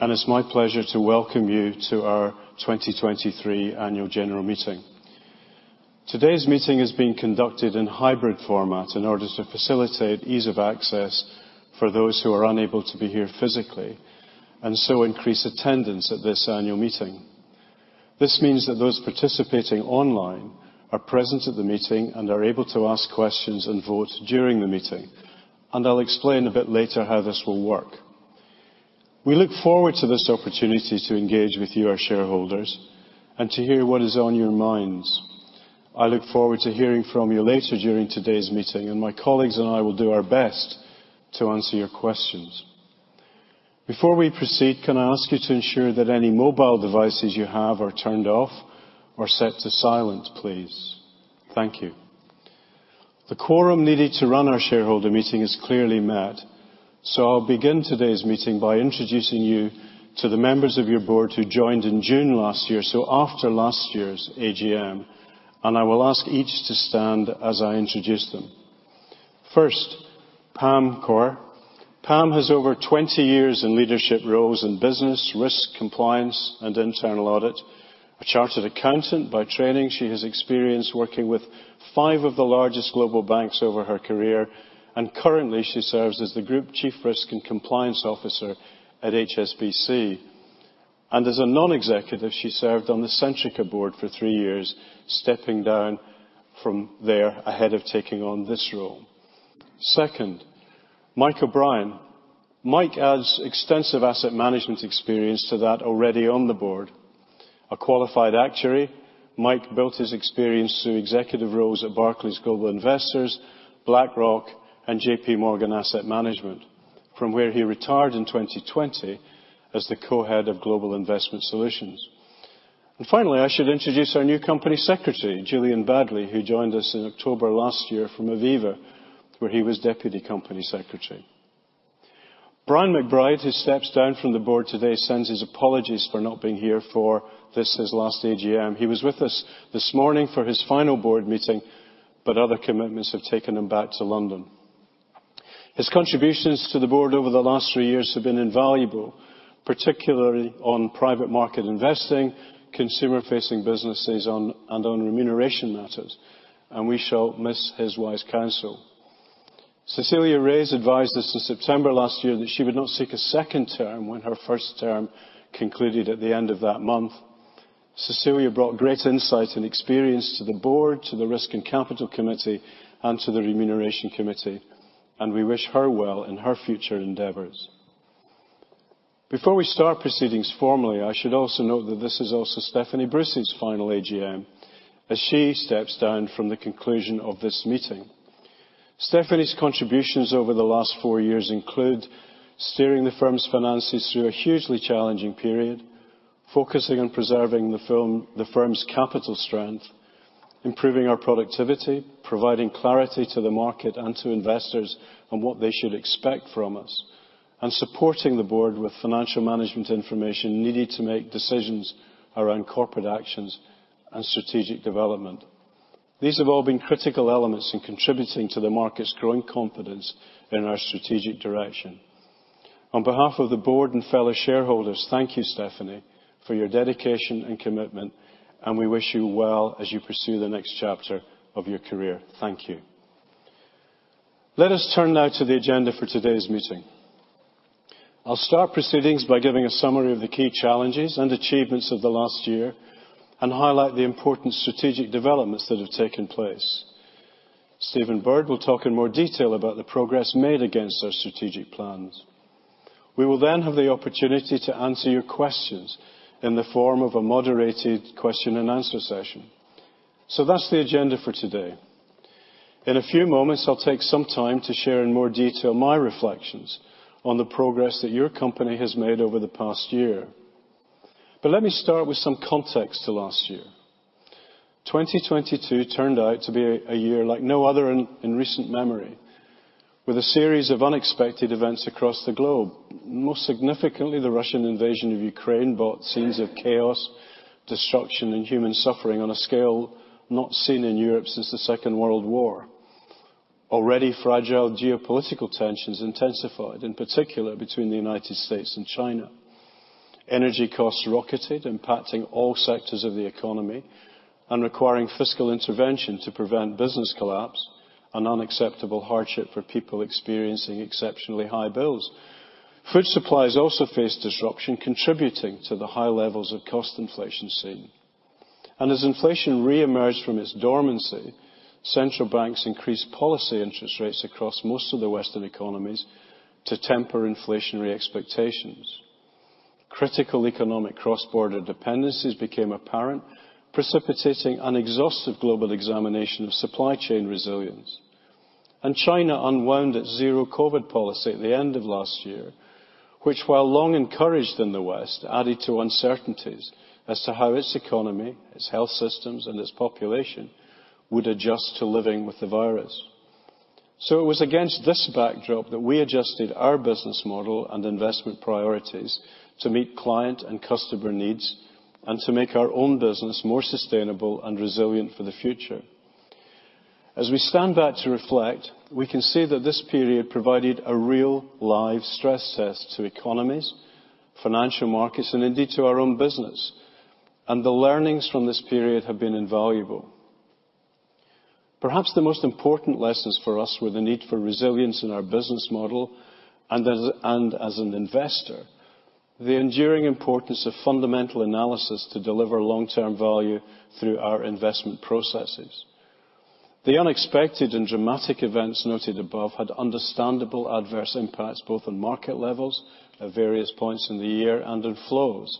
It's my pleasure to welcome you to our 2023 annual general meeting. Today's meeting is being conducted in hybrid format in order to facilitate ease of access for those who are unable to be here physically, and so increase attendance at this annual meeting. This means that those participating online are present at the meeting and are able to ask questions and vote during the meeting. I'll explain a bit later how this will work. We look forward to this opportunity to engage with you, our shareholders, and to hear what is on your minds. I look forward to hearing from you later during today's meeting, and my colleagues and I will do our best to answer your questions. Before we proceed, can I ask you to ensure that any mobile devices you have are turned off or set to silent, please? Thank you. The quorum needed to run our shareholder meeting is clearly met. I'll begin today's meeting by introducing you to the members of your board who joined in June last year, so after last year's AGM, I will ask each to stand as I introduce them. First, Pam Kaur. Pam has over 20 years in leadership roles in business, risk, compliance and internal audit. A chartered accountant by training, she has experience working with five of the largest global banks over her career, and currently she serves as the Group Chief Risk and Compliance Officer at HSBC. As a non-executive, she served on the Centrica board for three years, stepping down from there ahead of taking on this role. Second, Michael O'Brien. Mike adds extensive asset management experience to that already on the board. A qualified actuary, Mike built his experience through executive roles at Barclays Global Investors, BlackRock, and J.P. Morgan Asset Management, from where he retired in 2020 as the co-head of Global Investment Solutions. Finally, I should introduce our new company secretary, Julian Baddeley, who joined us in October last year from Aviva, where he was deputy company secretary. Brian McBride, who steps down from the board today, sends his apologies for not being here for this, his last AGM. He was with us this morning for his final board meeting, other commitments have taken him back to London. His contributions to the board over the last three years have been invaluable, particularly on private market investing, consumer facing businesses on, and on remuneration matters, we shall miss his wise counsel. Cecilia Reyes advised us in September last year that she would not seek a 2nd term when her first term concluded at the end of that month. Cecilia brought great insight and experience to the board, to the Risk and Capital Committee, and to the Remuneration Committee, and we wish her well in her future endeavors. Before we start proceedings formally, I should also note that this is also Stephanie Bruce's final AGM as she steps down from the conclusion of this meeting. Stephanie's contributions over the last four years include steering the firm's finances through a hugely challenging period, focusing on preserving the firm, the firm's capital strength, improving our productivity, providing clarity to the market and to investors on what they should expect from us, and supporting the board with financial management information needed to make decisions around corporate actions and strategic development. These have all been critical elements in contributing to the market's growing confidence in our strategic direction. On behalf of the Board and fellow shareholders, thank you, Stephanie, for your dedication and commitment. We wish you well as you pursue the next chapter of your career. Thank you. Let us turn now to the agenda for today's meeting. I'll start proceedings by giving a summary of the key challenges and achievements of the last year and highlight the important strategic developments that have taken place. Stephen Bird will talk in more detail about the progress made against our strategic plans. We will have the opportunity to answer your questions in the form of a moderated question and answer session. That's the agenda for today. In a few moments, I'll take some time to share in more detail my reflections on the progress that your company has made over the past year. Let me start with some context to last year. 2022 turned out to be a year like no other in recent memory, with a series of unexpected events across the globe. Most significantly, the Russian invasion of Ukraine brought scenes of chaos, destruction, and human suffering on a scale not seen in Europe since the World War II. Already fragile geopolitical tensions intensified, in particular between the United States and China. Energy costs rocketed, impacting all sectors of the economy and requiring fiscal intervention to prevent business collapse and unacceptable hardship for people experiencing exceptionally high bills. Food supplies also faced disruption, contributing to the high levels of cost inflation seen. As inflation re-emerged from its dormancy, central banks increased policy interest rates across most of the Western economies to temper inflationary expectations. Critical economic cross-border dependencies became apparent, precipitating an exhaustive global examination of supply chain resilience. China unwound its zero COVID policy at the end of last year, which while long encouraged in the West, added to uncertainties as to how its economy, its health systems, and its population would adjust to living with the virus. It was against this backdrop that we adjusted our business model and investment priorities to meet client and customer needs and to make our own business more sustainable and resilient for the future. As we stand back to reflect, we can see that this period provided a real live stress test to economies, financial markets, and indeed to our own business. The learnings from this period have been invaluable. Perhaps the most important lessons for us were the need for resilience in our business model, and as an investor, the enduring importance of fundamental analysis to deliver long-term value through our investment processes. The unexpected and dramatic events noted above had understandable adverse impacts both on market levels at various points in the year, and on flows,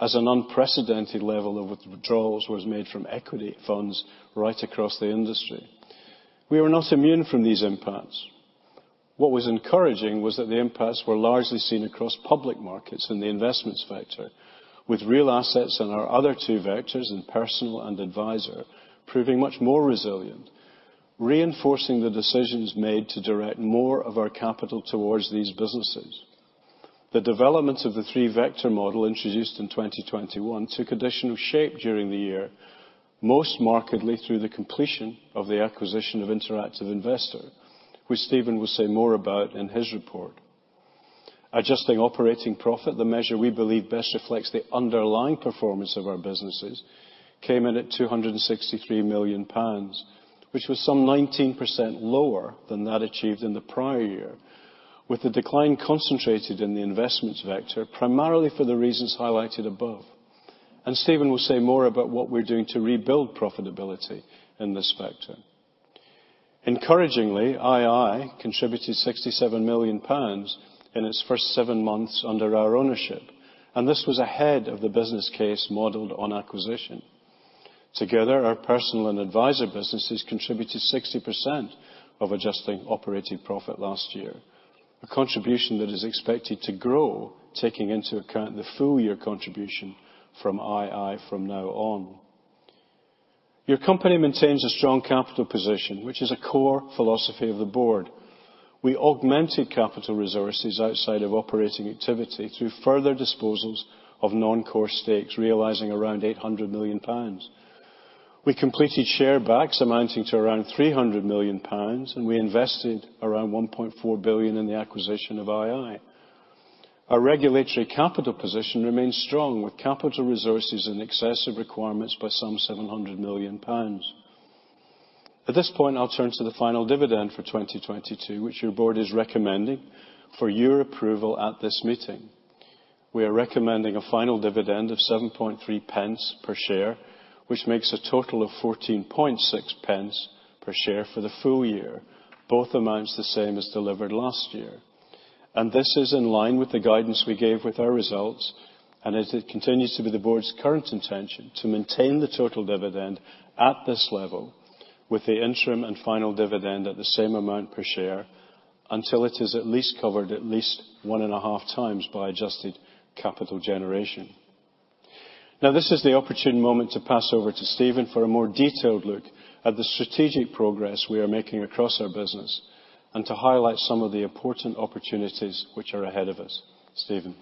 as an unprecedented level of withdrawals was made from equity funds right across the industry. We were not immune from these impacts. What was encouraging was that the impacts were largely seen across public markets in the investments vector with real assets in our other two vectors in Personal and Adviser proving much more resilient, reinforcing the decisions made to direct more of our capital towards these businesses. The development of the three vector model introduced in 2021 took additional shape during the year, most markedly through the completion of the acquisition of interactive investor, which Stephen will say more about in his report. adjusted operating profit, the measure we believe best reflects the underlying performance of our businesses, came in at 263 million pounds, which was some 19% lower than that achieved in the prior year, with the decline concentrated in the investments vector, primarily for the reasons highlighted above. Stephen will say more about what we're doing to rebuild profitability in this vector. Encouragingly, ii contributed 67 million pounds in its 1st seven months under our ownership, this was ahead of the business case modeled on acquisition. Together, our Personal and Advisor businesses contributed 60% of adjusted operating profit last year, a contribution that is expected to grow, taking into account the full year contribution from ii from now on. Your company maintains a strong capital position, which is a core philosophy of the board. We augmented capital resources outside of operating activity through further disposals of non-core stakes, realizing around 800 million pounds. We completed share backs amounting to around 300 million pounds, and we invested around 1.4 billion in the acquisition of ii. Our regulatory capital position remains strong, with capital resources in excess of requirements by some 700 million pounds. At this point, I'll turn to the final dividend for 2022, which your board is recommending for your approval at this meeting. We are recommending a final dividend of 0.073 per share, which makes a total of 0.146 per share for the full year, both amounts the same as delivered last year. This is in line with the guidance we gave with our results, and as it continues to be the board's current intention to maintain the total dividend at this level, with the interim and final dividend at the same amount per share, until it is at least covered at least one and a half times by adjusted capital generation. This is the opportune moment to pass over to Stephen for a more detailed look at the strategic progress we are making across our business and to highlight some of the important opportunities which are ahead of us. Stephen.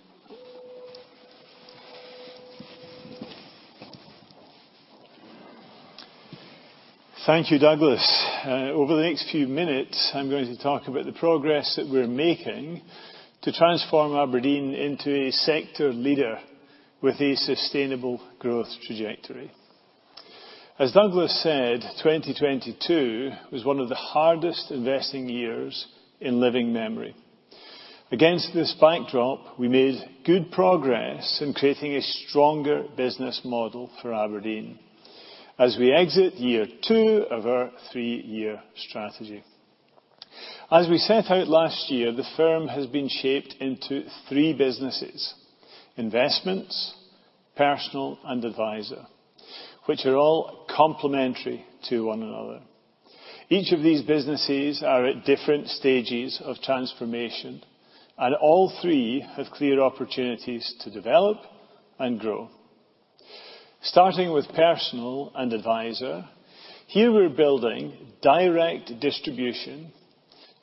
Thank you, Douglas. Over the next few minutes, I'm going to talk about the progress that we're making to transform Aberdeen into a sector leader with a sustainable growth trajectory. As Douglas said, 2022 was one of the hardest investing years in living memory. Against this backdrop, we made good progress in creating a stronger business model for Aberdeen as we exit year two of our three-year strategy. As we set out last year, the firm has been shaped into three businesses: Investments, Personal, and Advisor, which are all complementary to one another. Each of these businesses are at different stages of transformation, and all three have clear opportunities to develop and grow. Starting with Personal and Advisor, here we're building direct distribution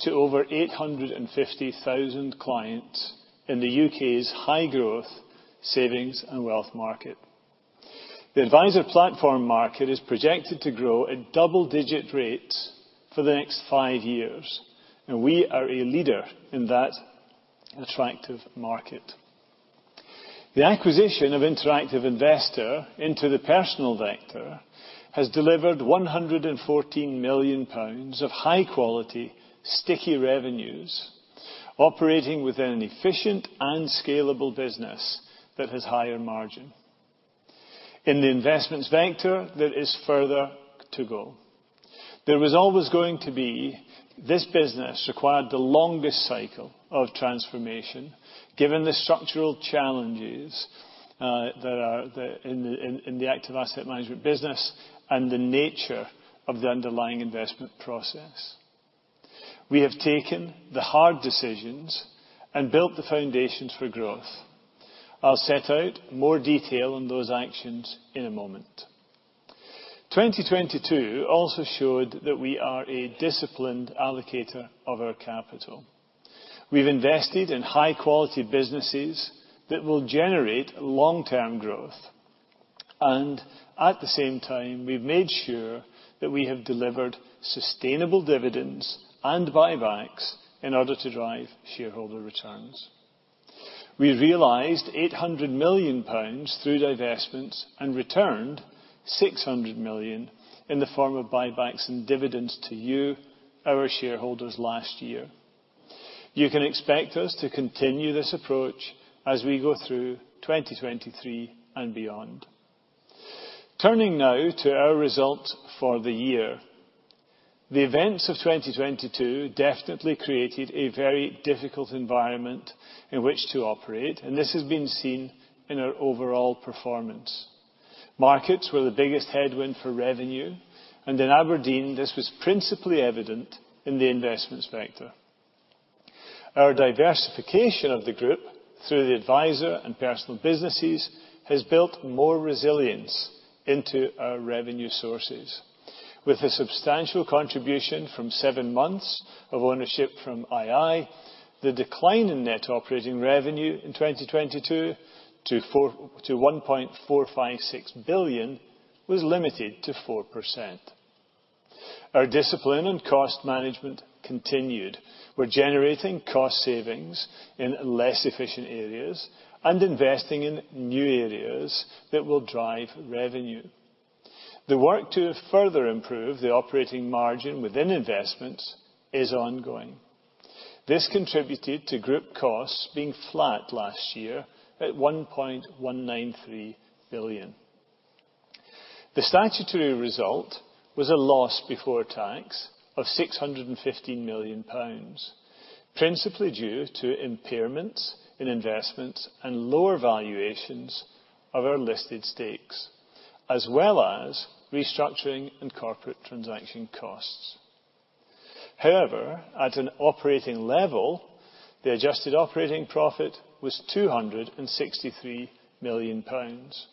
to over 850,000 clients in the U.K.'s high growth savings and wealth market. The advisor platform market is projected to grow at double-digit rates for the next five years. We are a leader in that attractive market. The acquisition of interactive investor into the Personal vector has delivered 114 million pounds of high-quality, sticky revenues, operating within an efficient and scalable business that has higher margin. In the Investments vector, there is further to go. There was always going to be this business required the longest cycle of transformation given the structural challenges that are in the active asset management business and the nature of the underlying investment process. We have taken the hard decisions and built the foundations for growth. I'll set out more detail on those actions in a moment. 2022 also showed that we are a disciplined allocator of our capital. We've invested in high-quality businesses that will generate long-term growth. At the same time, we've made sure that we have delivered sustainable dividends and buybacks in order to drive shareholder returns. We realized 800 million pounds through divestments and returned 600 million in the form of buybacks and dividends to you, our shareholders, last year. You can expect us to continue this approach as we go through 2023 and beyond. Turning now to our result for the year. The events of 2022 definitely created a very difficult environment in which to operate, and this has been seen in our overall performance. Markets were the biggest headwind for revenue. In Aberdeen, this was principally evident in the investments vector. Our diversification of the group through the advisor and personal businesses has built more resilience into our revenue sources. With a substantial contribution from seven months of ownership from ii, the decline in net operating revenue in 2022 to 1.456 billion was limited to 4%. Our discipline and cost management continued. We're generating cost savings in less efficient areas and investing in new areas that will drive revenue. The work to further improve the operating margin within investments is ongoing. This contributed to group costs being flat last year at 1.193 billion. The statutory result was a loss before tax of 615 million pounds, principally due to impairments in investments and lower valuations of our listed stakes, as well as restructuring and corporate transaction costs. However, at an operating level, the adjusted operating profit was 263 million pounds.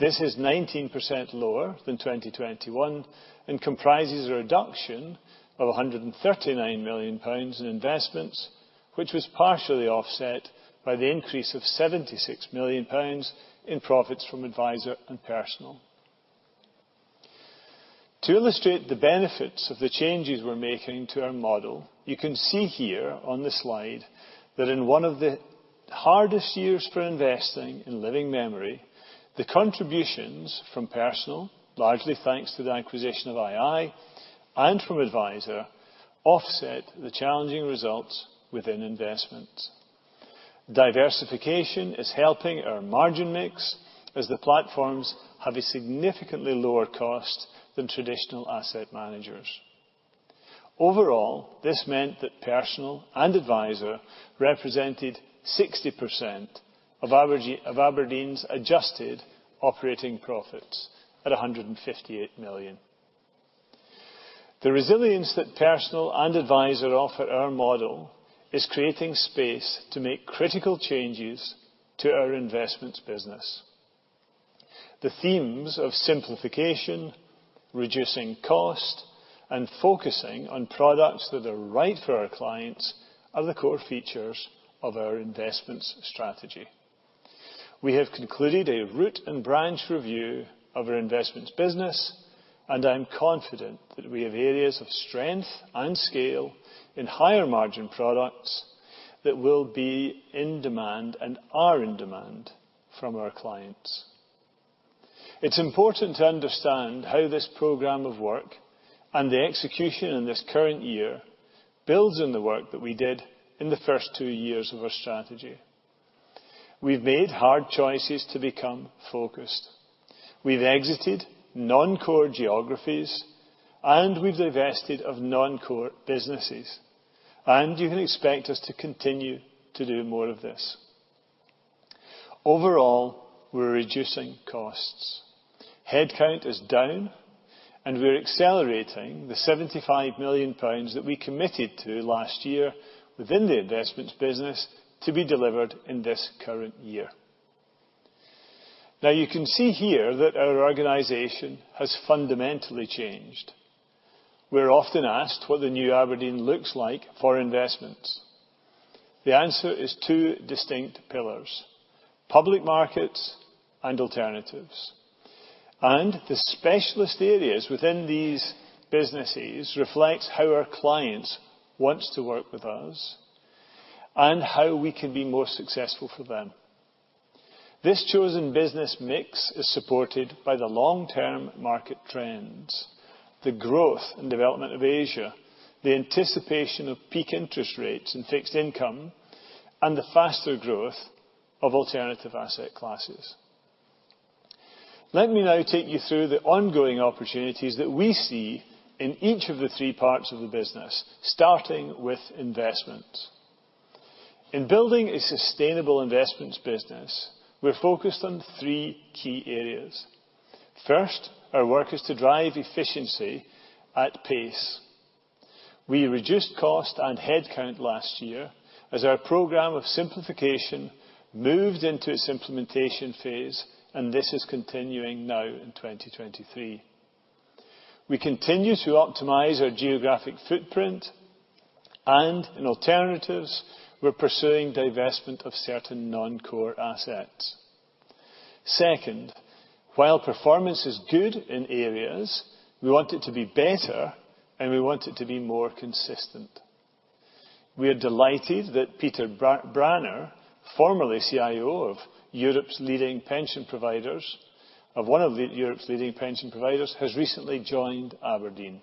This is 19% lower than 2021 and comprises a reduction of 139 million pounds in investments, which was partially offset by the increase of 76 million pounds in profits from Adviser and Personal. To illustrate the benefits of the changes we're making to our model, you can see here on this slide that in one of the hardest years for investing in living memory, the contributions from Personal, largely thanks to the acquisition of ii, and from Adviser offset the challenging results within investments. Diversification is helping our margin mix as the platforms have a significantly lower cost than traditional asset managers. Overall, this meant that Personal and Adviser represented 60% of Aberdeen's adjusted operating profits at 158 million. The resilience that Personal and Adviser offer our model is creating space to make critical changes to our investments business. The themes of simplification, reducing cost, and focusing on products that are right for our clients are the core features of our investments strategy. We have concluded a root-and-branch review of our investments business, and I'm confident that we have areas of strength and scale in higher margin products that will be in demand and are in demand from our clients. It's important to understand how this program of work and the execution in this current year builds on the work that we did in the first two years of our strategy. We've made hard choices to become focused. We've exited non-core geographies, and we've divested of non-core businesses, and you can expect us to continue to do more of this. Overall, we're reducing costs. Headcount is down. We're accelerating the 75 million pounds that we committed to last year within the Investments business to be delivered in this current year. You can see here that our organization has fundamentally changed. We're often asked what the new Aberdeen looks like for Investments. The answer is two distinct pillars, Public Markets and Alternatives. The specialist areas within these businesses reflects how our clients wants to work with us and how we can be more successful for them. This chosen business mix is supported by the long-term market trends, the growth and development of Asia, the anticipation of peak interest rates and fixed income, and the faster growth of alternative asset classes. Let me now take you through the ongoing opportunities that we see in each of the 3 parts of the business, starting with Investments. In building a sustainable investments business, we're focused on three key areas. First, our work is to drive efficiency at pace. We reduced cost and headcount last year as our program of simplification moved into its implementation phase. This is continuing now in 2023. We continue to optimize our geographic footprint. In alternatives, we're pursuing divestment of certain non-core assets. Second, while performance is good in areas, we want it to be better. We want it to be more consistent. We are delighted that Peter Branner, formerly CIO of one of Europe's leading pension providers, has recently joined Aberdeen.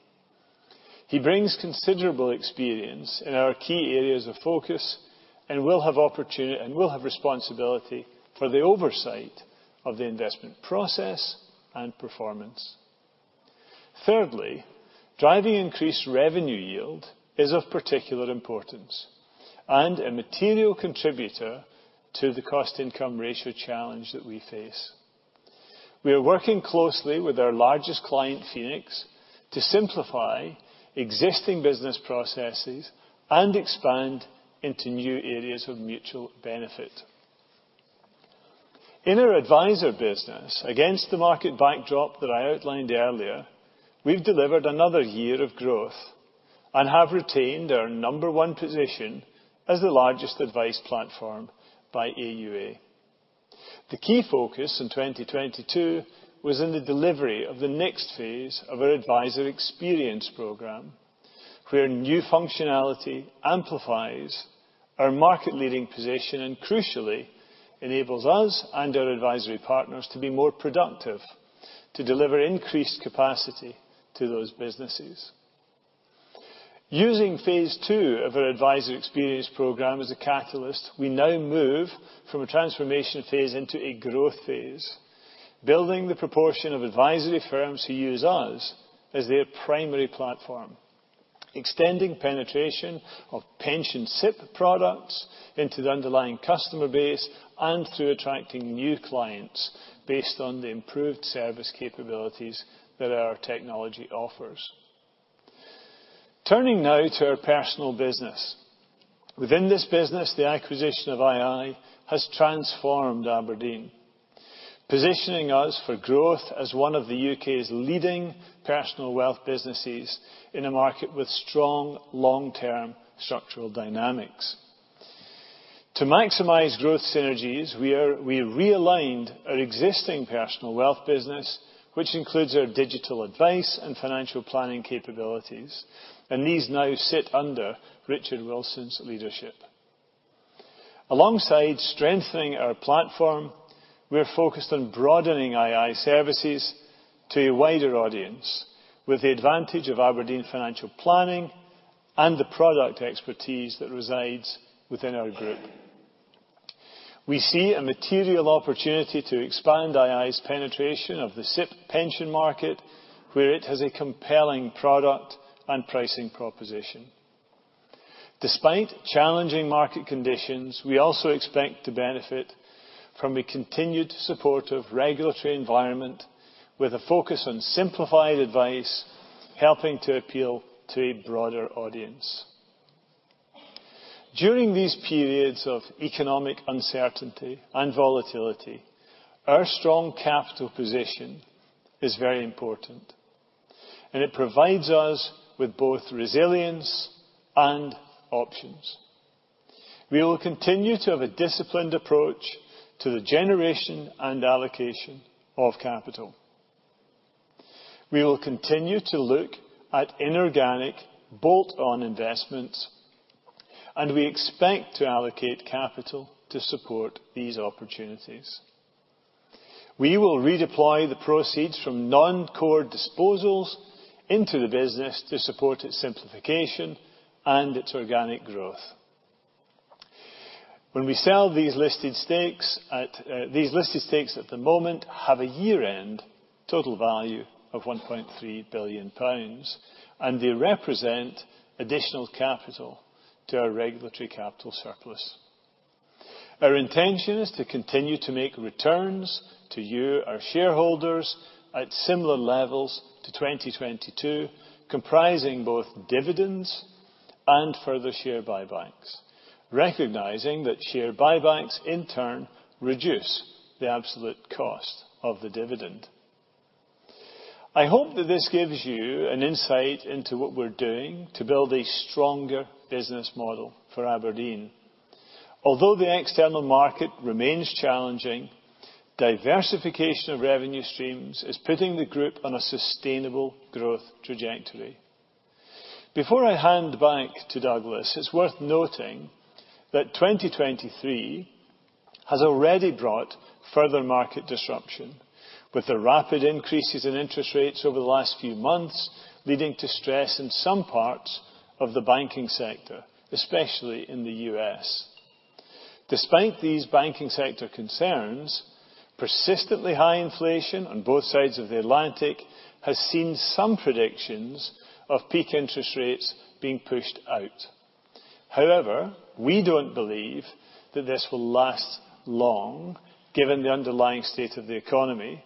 He brings considerable experience in our key areas of focus. He will have responsibility for the oversight of the investment process and performance. Thirdly, driving increased revenue yield is of particular importance, and a material contributor to the cost income ratio challenge that we face. We are working closely with our largest client, Phoenix, to simplify existing business processes and expand into new areas of mutual benefit. In our advisor business, against the market backdrop that I outlined earlier, we've delivered another year of growth and have retained our number one position as the largest advice platform by AUA. The key focus in 2022 was in the delivery of the next phase of our Adviser Experience Programme, where new functionality amplifies our market-leading position and crucially enables us and our advisory partners to be more productive, to deliver increased capacity to those businesses. Using Phase 2 of our Adviser Experience Programme as a catalyst, we now move from a transformation phase into a growth phase, building the proportion of advisory firms who use us as their primary platform, extending penetration of pension SIPP products into the underlying customer base and through attracting new clients based on the improved service capabilities that our technology offers. Turning now to our personal business. Within this business, the acquisition of ii has transformed Aberdeen, positioning us for growth as one of the U.K.'s leading personal wealth businesses in a market with strong long-term structural dynamics. To maximize growth synergies, we realigned our existing personal wealth business, which includes our digital advice and financial planning capabilities, and these now sit under Richard Wilson's leadership. Alongside strengthening our platform, we are focused on broadening ii services to a wider audience with the advantage of Aberdeen Financial Planning and the product expertise that resides within our group. We see a material opportunity to expand ii's penetration of the SIPP pension market where it has a compelling product and pricing proposition. Despite challenging market conditions, we also expect to benefit from a continued support of regulatory environment with a focus on simplified advice, helping to appeal to a broader audience. During these periods of economic uncertainty and volatility, our strong capital position is very important. It provides us with both resilience and options. We will continue to have a disciplined approach to the generation and allocation of capital. We will continue to look at inorganic bolt-on investments. We expect to allocate capital to support these opportunities. We will redeploy the proceeds from non-core disposals into the business to support its simplification and its organic growth. When we sell these listed stakes at these listed stakes at the moment have a year-end total value of 1.3 billion pounds. They represent additional capital to our regulatory capital surplus. Our intention is to continue to make returns to you, our shareholders, at similar levels to 2022, comprising both dividends and further share buybacks, recognizing that share buybacks in turn reduce the absolute cost of the dividend. I hope that this gives you an insight into what we're doing to build a stronger business model for Aberdeen. Although the external market remains challenging, diversification of revenue streams is putting the group on a sustainable growth trajectory. Before I hand back to Douglas, it's worth noting that 2023 has already brought further market disruption with the rapid increases in interest rates over the last few months, leading to stress in some parts of the banking sector, especially in the U.S. Despite these banking sector concerns, persistently high inflation on both sides of the Atlantic has seen some predictions of peak interest rates being pushed out. However, we don't believe that this will last long given the underlying state of the economy,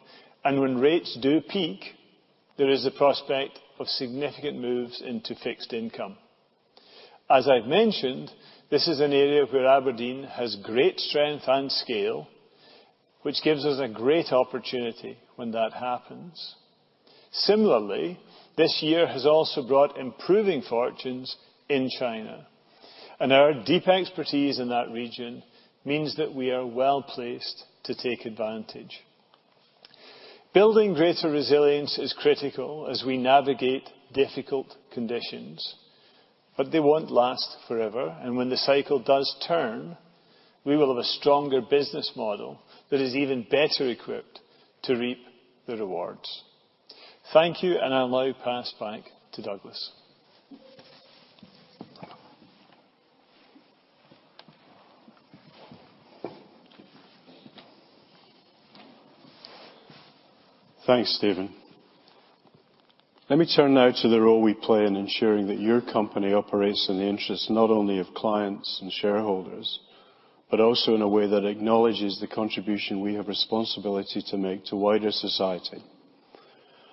and when rates do peak, there is a prospect of significant moves into fixed income. As I've mentioned, this is an area where Aberdeen has great strength and scale, which gives us a great opportunity when that happens. Similarly, this year has also brought improving fortunes in China, and our deep expertise in that region means that we are well-placed to take advantage. Building greater resilience is critical as we navigate difficult conditions. They won't last forever. When the cycle does turn, we will have a stronger business model that is even better equipped to reap the rewards. Thank you. I'll now pass back to Douglas. Thanks, Stephen. Let me turn now to the role we play in ensuring that your company operates in the interests, not only of clients and shareholders, but also in a way that acknowledges the contribution we have responsibility to make to wider society.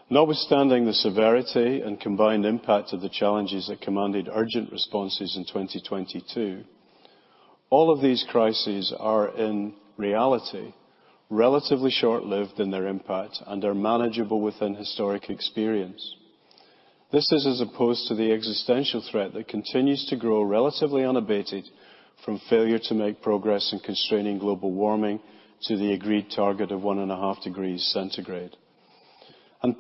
Notwithstanding the severity and combined impact of the challenges that commanded urgent responses in 2022, all of these crises are, in reality, relatively short-lived in their impact and are manageable within historic experience. This is as opposed to the existential threat that continues to grow relatively unabated from failure to make progress in constraining global warming to the agreed target of one and a half degrees centigrade.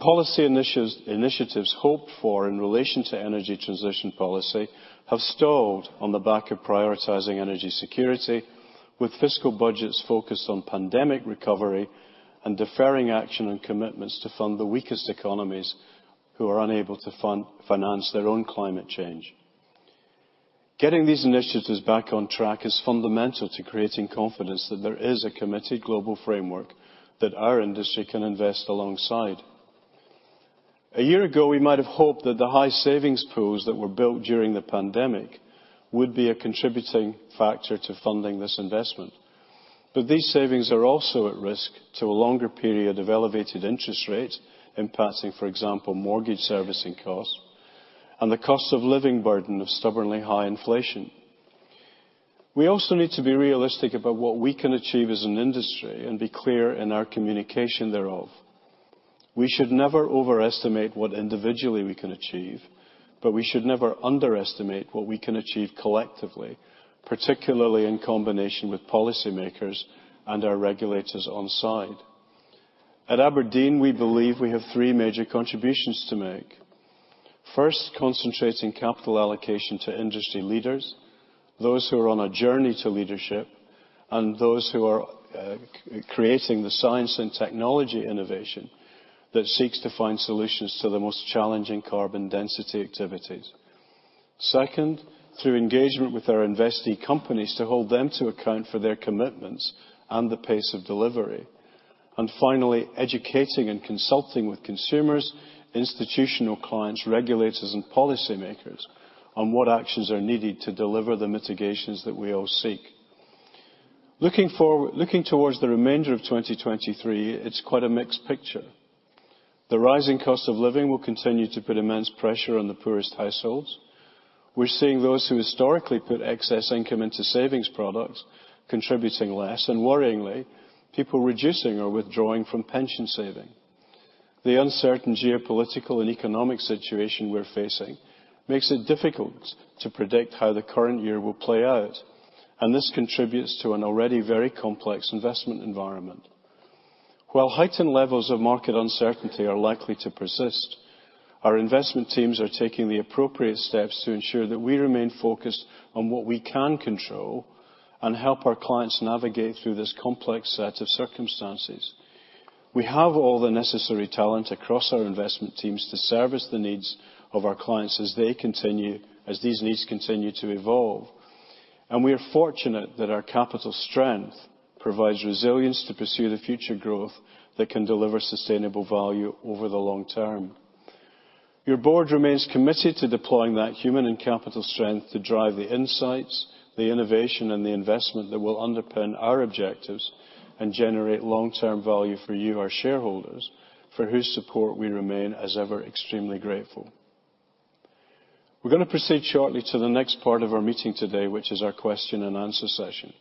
Policy initiatives hoped for in relation to energy transition policy have stalled on the back of prioritizing energy security, with fiscal budgets focused on pandemic recovery and deferring action and commitments to fund the weakest economies who are unable to fund-finance their own climate change. Getting these initiatives back on track is fundamental to creating confidence that there is a committed global framework that our industry can invest alongside. A year ago, we might have hoped that the high savings pools that were built during the pandemic would be a contributing factor to funding this investment. These savings are also at risk to a longer period of elevated interest rates impacting, for example, mortgage servicing costs and the cost of living burden of stubbornly high inflation. We also need to be realistic about what we can achieve as an industry and be clear in our communication thereof. We should never overestimate what individually we can achieve, but we should never underestimate what we can achieve collectively, particularly in combination with policymakers and our regulators on side. At Aberdeen, we believe we have three major contributions to make. First, concentrating capital allocation to industry leaders, those who are on a journey to leadership, and those who are creating the science and technology innovation that seeks to find solutions to the most challenging carbon density activities. Second, through engagement with our investee companies to hold them to account for their commitments and the pace of delivery. Finally, educating and consulting with consumers, institutional clients, regulators, and policymakers on what actions are needed to deliver the mitigations that we all seek. Looking towards the remainder of 2023, it's quite a mixed picture. The rising cost of living will continue to put immense pressure on the poorest households. We're seeing those who historically put excess income into savings products contributing less and, worryingly, people reducing or withdrawing from pension saving. The uncertain geopolitical and economic situation we're facing makes it difficult to predict how the current year will play out, and this contributes to an already very complex investment environment. While heightened levels of market uncertainty are likely to persist, our investment teams are taking the appropriate steps to ensure that we remain focused on what we can control and help our clients navigate through this complex set of circumstances. We have all the necessary talent across our investment teams to service the needs of our clients as these needs continue to evolve. We are fortunate that our capital strength provides resilience to pursue the future growth that can deliver sustainable value over the long term. Your board remains committed to deploying that human and capital strength to drive the insights, the innovation, and the investment that will underpin our objectives and generate long-term value for you, our shareholders, for whose support we remain, as ever, extremely grateful. We're gonna proceed shortly to the next part of our meeting today, which is our question and answer session.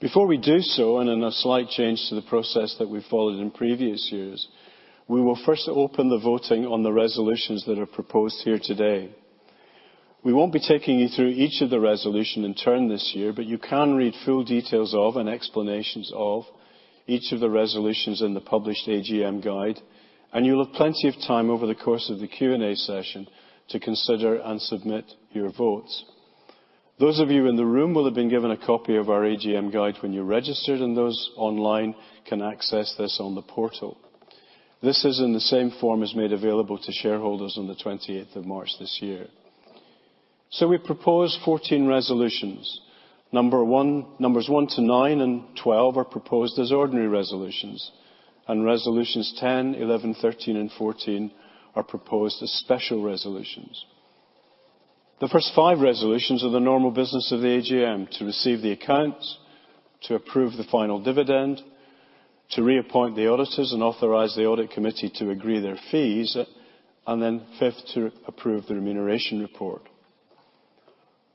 Before we do so, in a slight change to the process that we followed in previous years, we will first open the voting on the resolutions that are proposed here today. We won't be taking you through each of the resolution in turn this year, but you can read full details of, and explanations of, each of the resolutions in the published AGM guide, and you'll have plenty of time over the course of the Q&A session to consider and submit your votes. Those of you in the room will have been given a copy of our AGM guide when you registered, and those online can access this on the portal. This is in the same form as made available to shareholders on the 28th of March this year. We propose 14 resolutions. Numbers one to nine and 12 are proposed as ordinary resolutions, and resolutions 10, 11, 13, and 14 are proposed as special resolutions. The 1st five resolutions are the normal business of the AGM to receive the accounts. To approve the final dividend, to reappoint the auditors and authorize the audit committee to agree their fees. Then fifth, to approve the remuneration report.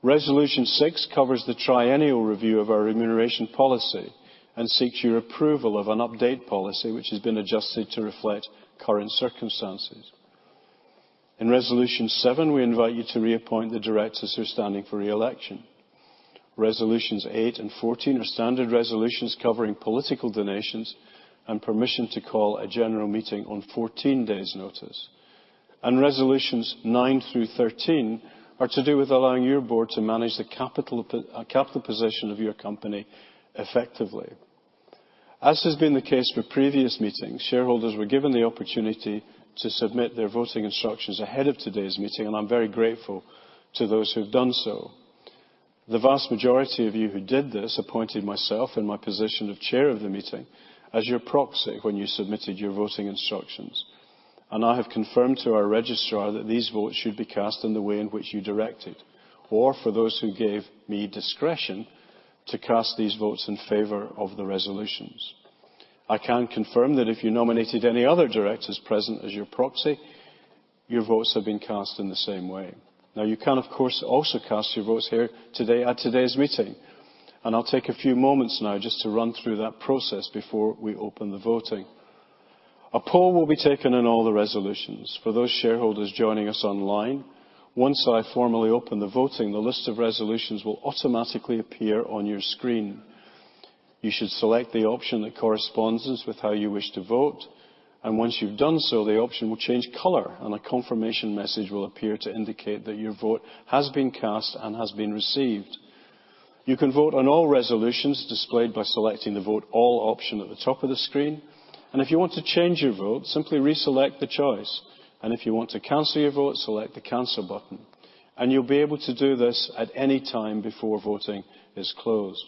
Resolution 6 covers the triennial review of our remuneration policy and seeks your approval of an update policy which has been adjusted to reflect current circumstances. In Resolution 7, we invite you to reappoint the directors who are standing for re-election. Resolutions 8 and 14 are standard resolutions covering political donations and permission to call a general meeting on 14 days' notice. Resolutions 9 through 13 are to do with allowing your board to manage the capital position of your company effectively. As has been the case for previous meetings, shareholders were given the opportunity to submit their voting instructions ahead of today's meeting, and I'm very grateful to those who've done so. The vast majority of you who did this appointed myself in my position of Chair of the meeting as your proxy when you submitted your voting instructions. I have confirmed to our registrar that these votes should be cast in the way in which you directed. For those who gave me discretion, to cast these votes in favor of the resolutions. I can confirm that if you nominated any other directors present as your proxy, your votes have been cast in the same way. Now, you can, of course, also cast your votes here today at today's meeting. I'll take a few moments now just to run through that process before we open the voting. A poll will be taken on all the resolutions. For those shareholders joining us online, once I formally open the voting, the list of resolutions will automatically appear on your screen. You should select the option that corresponds with how you wish to vote. Once you've done so, the option will change color, and a confirmation message will appear to indicate that your vote has been cast and has been received. You can vote on all resolutions displayed by selecting the Vote All option at the top of the screen. If you want to change your vote, simply reselect the choice. If you want to cancel your vote, select the Cancel button. You'll be able to do this at any time before voting is closed.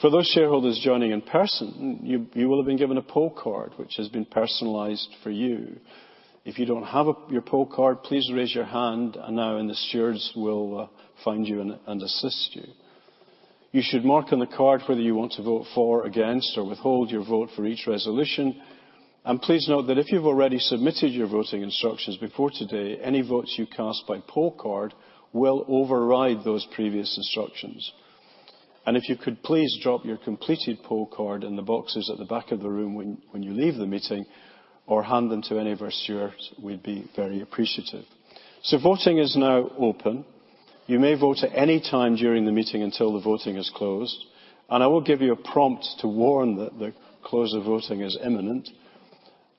For those shareholders joining in person, you will have been given a poll card which has been personalized for you. If you don't have your poll card, please raise your hand and now, the stewards will find you and assist you. You should mark on the card whether you want to vote for, against, or withhold your vote for each resolution. Please note that if you've already submitted your voting instructions before today, any votes you cast by poll card will override those previous instructions. If you could please drop your completed poll card in the boxes at the back of the room when you leave the meeting or hand them to any of our stewards, we'd be very appreciative. Voting is now open. You may vote at any time during the meeting until the voting is closed. I will give you a prompt to warn that the close of voting is imminent.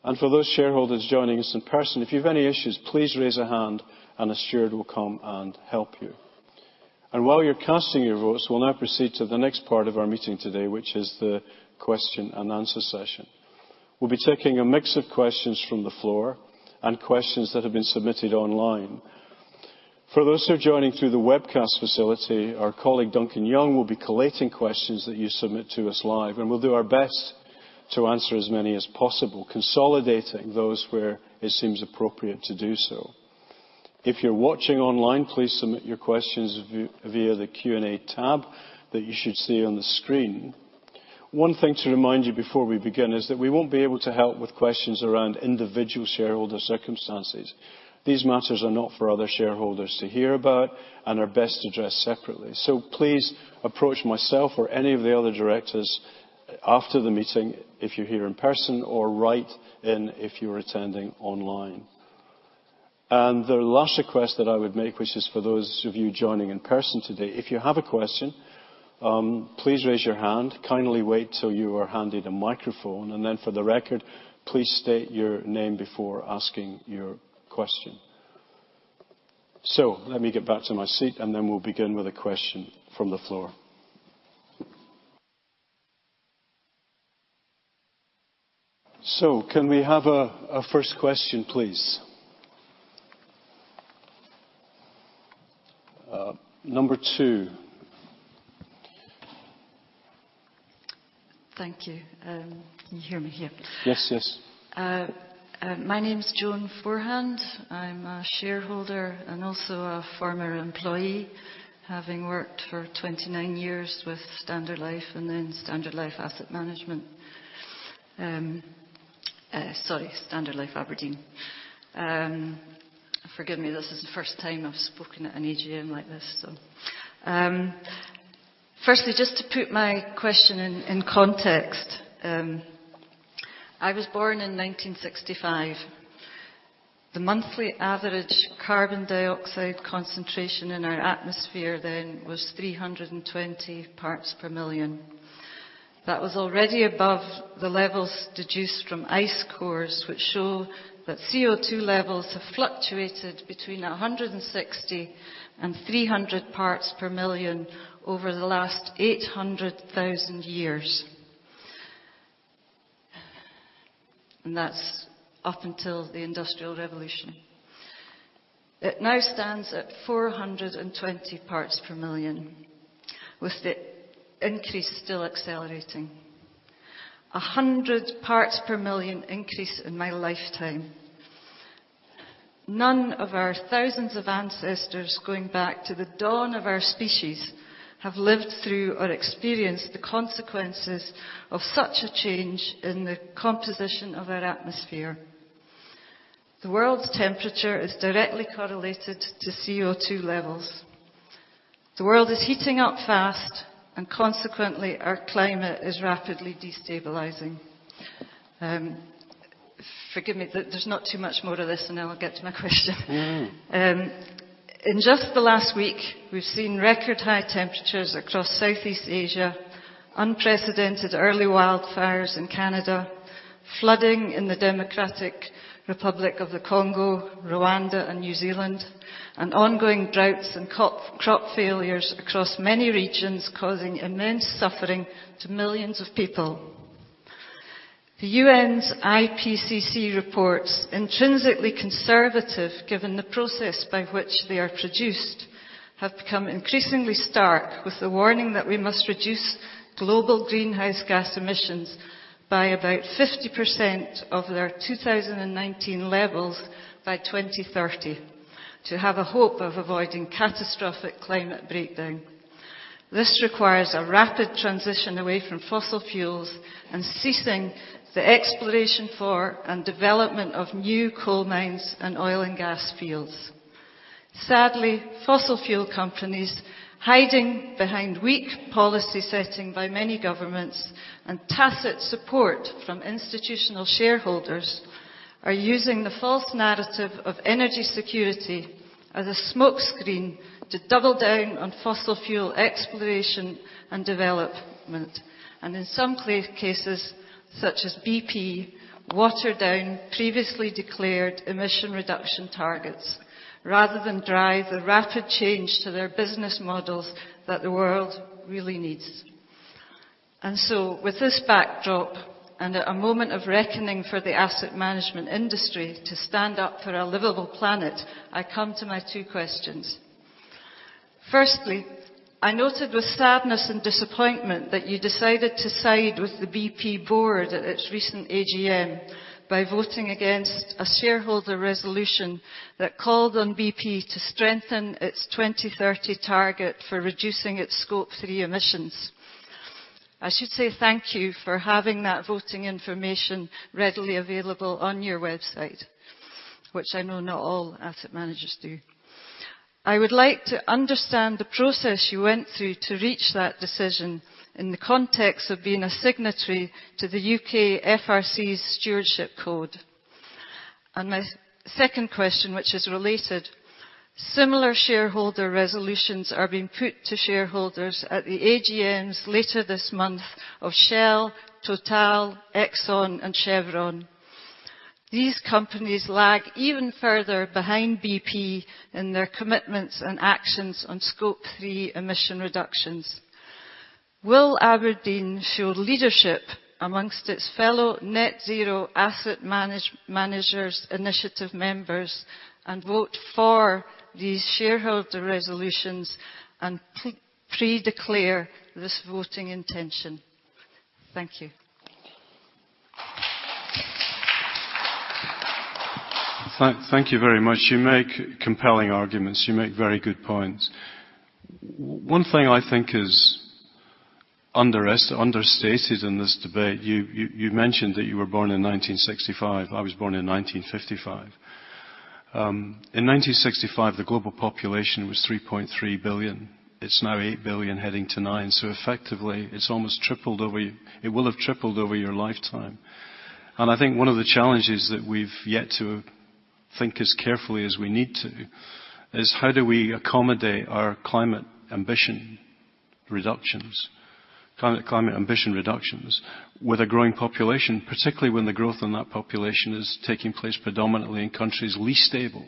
For those shareholders joining us in person, if you have any issues, please raise a hand and a steward will come and help you. While you're casting your votes, we'll now proceed to the next part of our meeting today, which is the question and answer session. We'll be taking a mix of questions from the floor and questions that have been submitted online. For those who are joining through the webcast facility, our colleague, Duncan Young, will be collating questions that you submit to us live. We'll do our best to answer as many as possible, consolidating those where it seems appropriate to do so. If you're watching online, please submit your questions via the Q&A tab that you should see on the screen. One thing to remind you before we begin is that we won't be able to help with questions around individual shareholder circumstances. These matters are not for other shareholders to hear about and are best addressed separately. Please approach myself or any of the other directors after the meeting if you're here in person, or write in if you're attending online. The last request that I would make, which is for those of you joining in person today, if you have a question, please raise your hand. Kindly wait till you are handed a microphone. Then for the record, please state your name before asking your question. Let me get back to my seat, and then we'll begin with a question from the floor. Can we have a first question, please? Number two. Thank you. Can you hear me here? Yes. Yes. My name's Joan Forehand. I'm a shareholder and also a former employee, having worked for 29 years with Standard Life and then Aberdeen. Sorry, Standard Life Aberdeen. Forgive me, this is the 1st time I've spoken at an AGM like this, so. Firstly, just to put my question in context, I was born in 1965. The monthly average carbon dioxide concentration in our atmosphere then was 320 parts per million. That was already above the levels deduced from ice cores, which show that CO2 levels have fluctuated between 160 and 300 parts per million over the last 800,000 years. That's up until the Industrial Revolution. It now stands at 420 parts per million, with the increase still accelerating. A 100 parts per million increase in my lifetime. None of our thousands of ancestors going back to the dawn of our species have lived through or experienced the consequences of such a change in the composition of our atmosphere. The world's temperature is directly correlated to CO2 levels. The world is heating up fast. Consequently, our climate is rapidly destabilizing. Forgive me. There's not too much more to this. Then I'll get to my question. Mm-hmm. In just the last week, we've seen record high temperatures across Southeast Asia, unprecedented early wildfires in Canada, flooding in the Democratic Republic of the Congo, Rwanda, and New Zealand, and ongoing droughts and crop failures across many regions, causing immense suffering to millions of people. The UN's IPCC reports, intrinsically conservative given the process by which they are produced, have become increasingly stark with the warning that we must reduce global greenhouse gas emissions by about 50% of their 2019 levels by 2030 to have a hope of avoiding catastrophic climate breakdown. This requires a rapid transition away from fossil fuels and ceasing the exploration for and development of new coal mines and oil and gas fields. Sadly, fossil fuel companies, hiding behind weak policy setting by many governments and tacit support from institutional shareholders, are using the false narrative of energy security as a smokescreen to double down on fossil fuel exploration and development. In some cases, such as BP, water down previously declared emission reduction targets rather than drive the rapid change to their business models that the world really needs. With this backdrop and at a moment of reckoning for the asset management industry to stand up for a livable planet, I come to my two questions. Firstly, I noted with sadness and disappointment that you decided to side with the BP board at its recent AGM by voting against a shareholder resolution that called on BP to strengthen its 2030 target for reducing its Scope 3 emissions. I should say thank you for having that voting information readily available on your website, which I know not all asset managers do. I would like to understand the process you went through to reach that decision in the context of being a signatory to the FRC's Stewardship Code. My 2nd question, which is related, similar shareholder resolutions are being put to shareholders at the AGMs later this month of Shell, Total, Exxon, and Chevron. These companies lag even further behind BP in their commitments and actions on Scope 3 emission reductions. Will Aberdeen show leadership amongst its fellow Net Zero Asset Managers initiative members and vote for these shareholder resolutions and pre-declare this voting intention? Thank you. Thank you very much. You make compelling arguments. You make very good points. One thing I think is understated in this debate, you mentioned that you were born in 1965. I was born in 1955. In 1965, the global population was 3.3 billion. It's now 8 billion heading to nine. Effectively, it's almost tripled over. It will have tripled over your lifetime. I think one of the challenges that we've yet to think as carefully as we need to is: How do we accommodate our climate ambition reductions with a growing population, particularly when the growth in that population is taking place predominantly in countries least able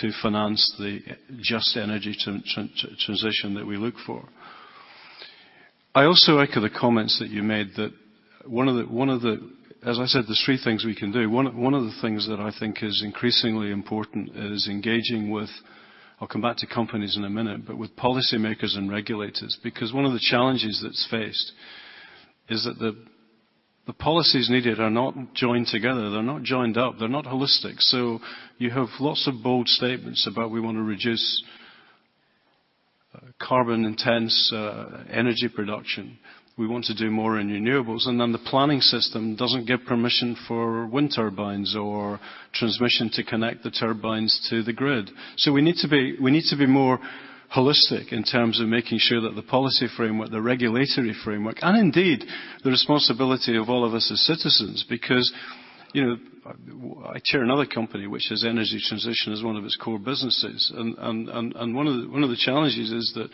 to finance the just energy transition that we look for? I also echo the comments that you made that one of the... As I said, there's three things we can do. One, one of the things that I think is increasingly important is engaging with... I'll come back to companies in a minute, but with policymakers and regulators. One of the challenges that's faced is that the policies needed are not joined together. They're not joined up. They're not holistic. You have lots of bold statements about we want to reduce carbon intense energy production. We want to do more in renewables, and then the planning system doesn't give permission for wind turbines or transmission to connect the turbines to the grid. We need to be more holistic in terms of making sure that the policy framework, the regulatory framework, and indeed the responsibility of all of us as citizens because, you know... I chair another company which has energy transition as one of its core businesses. One of the challenges is that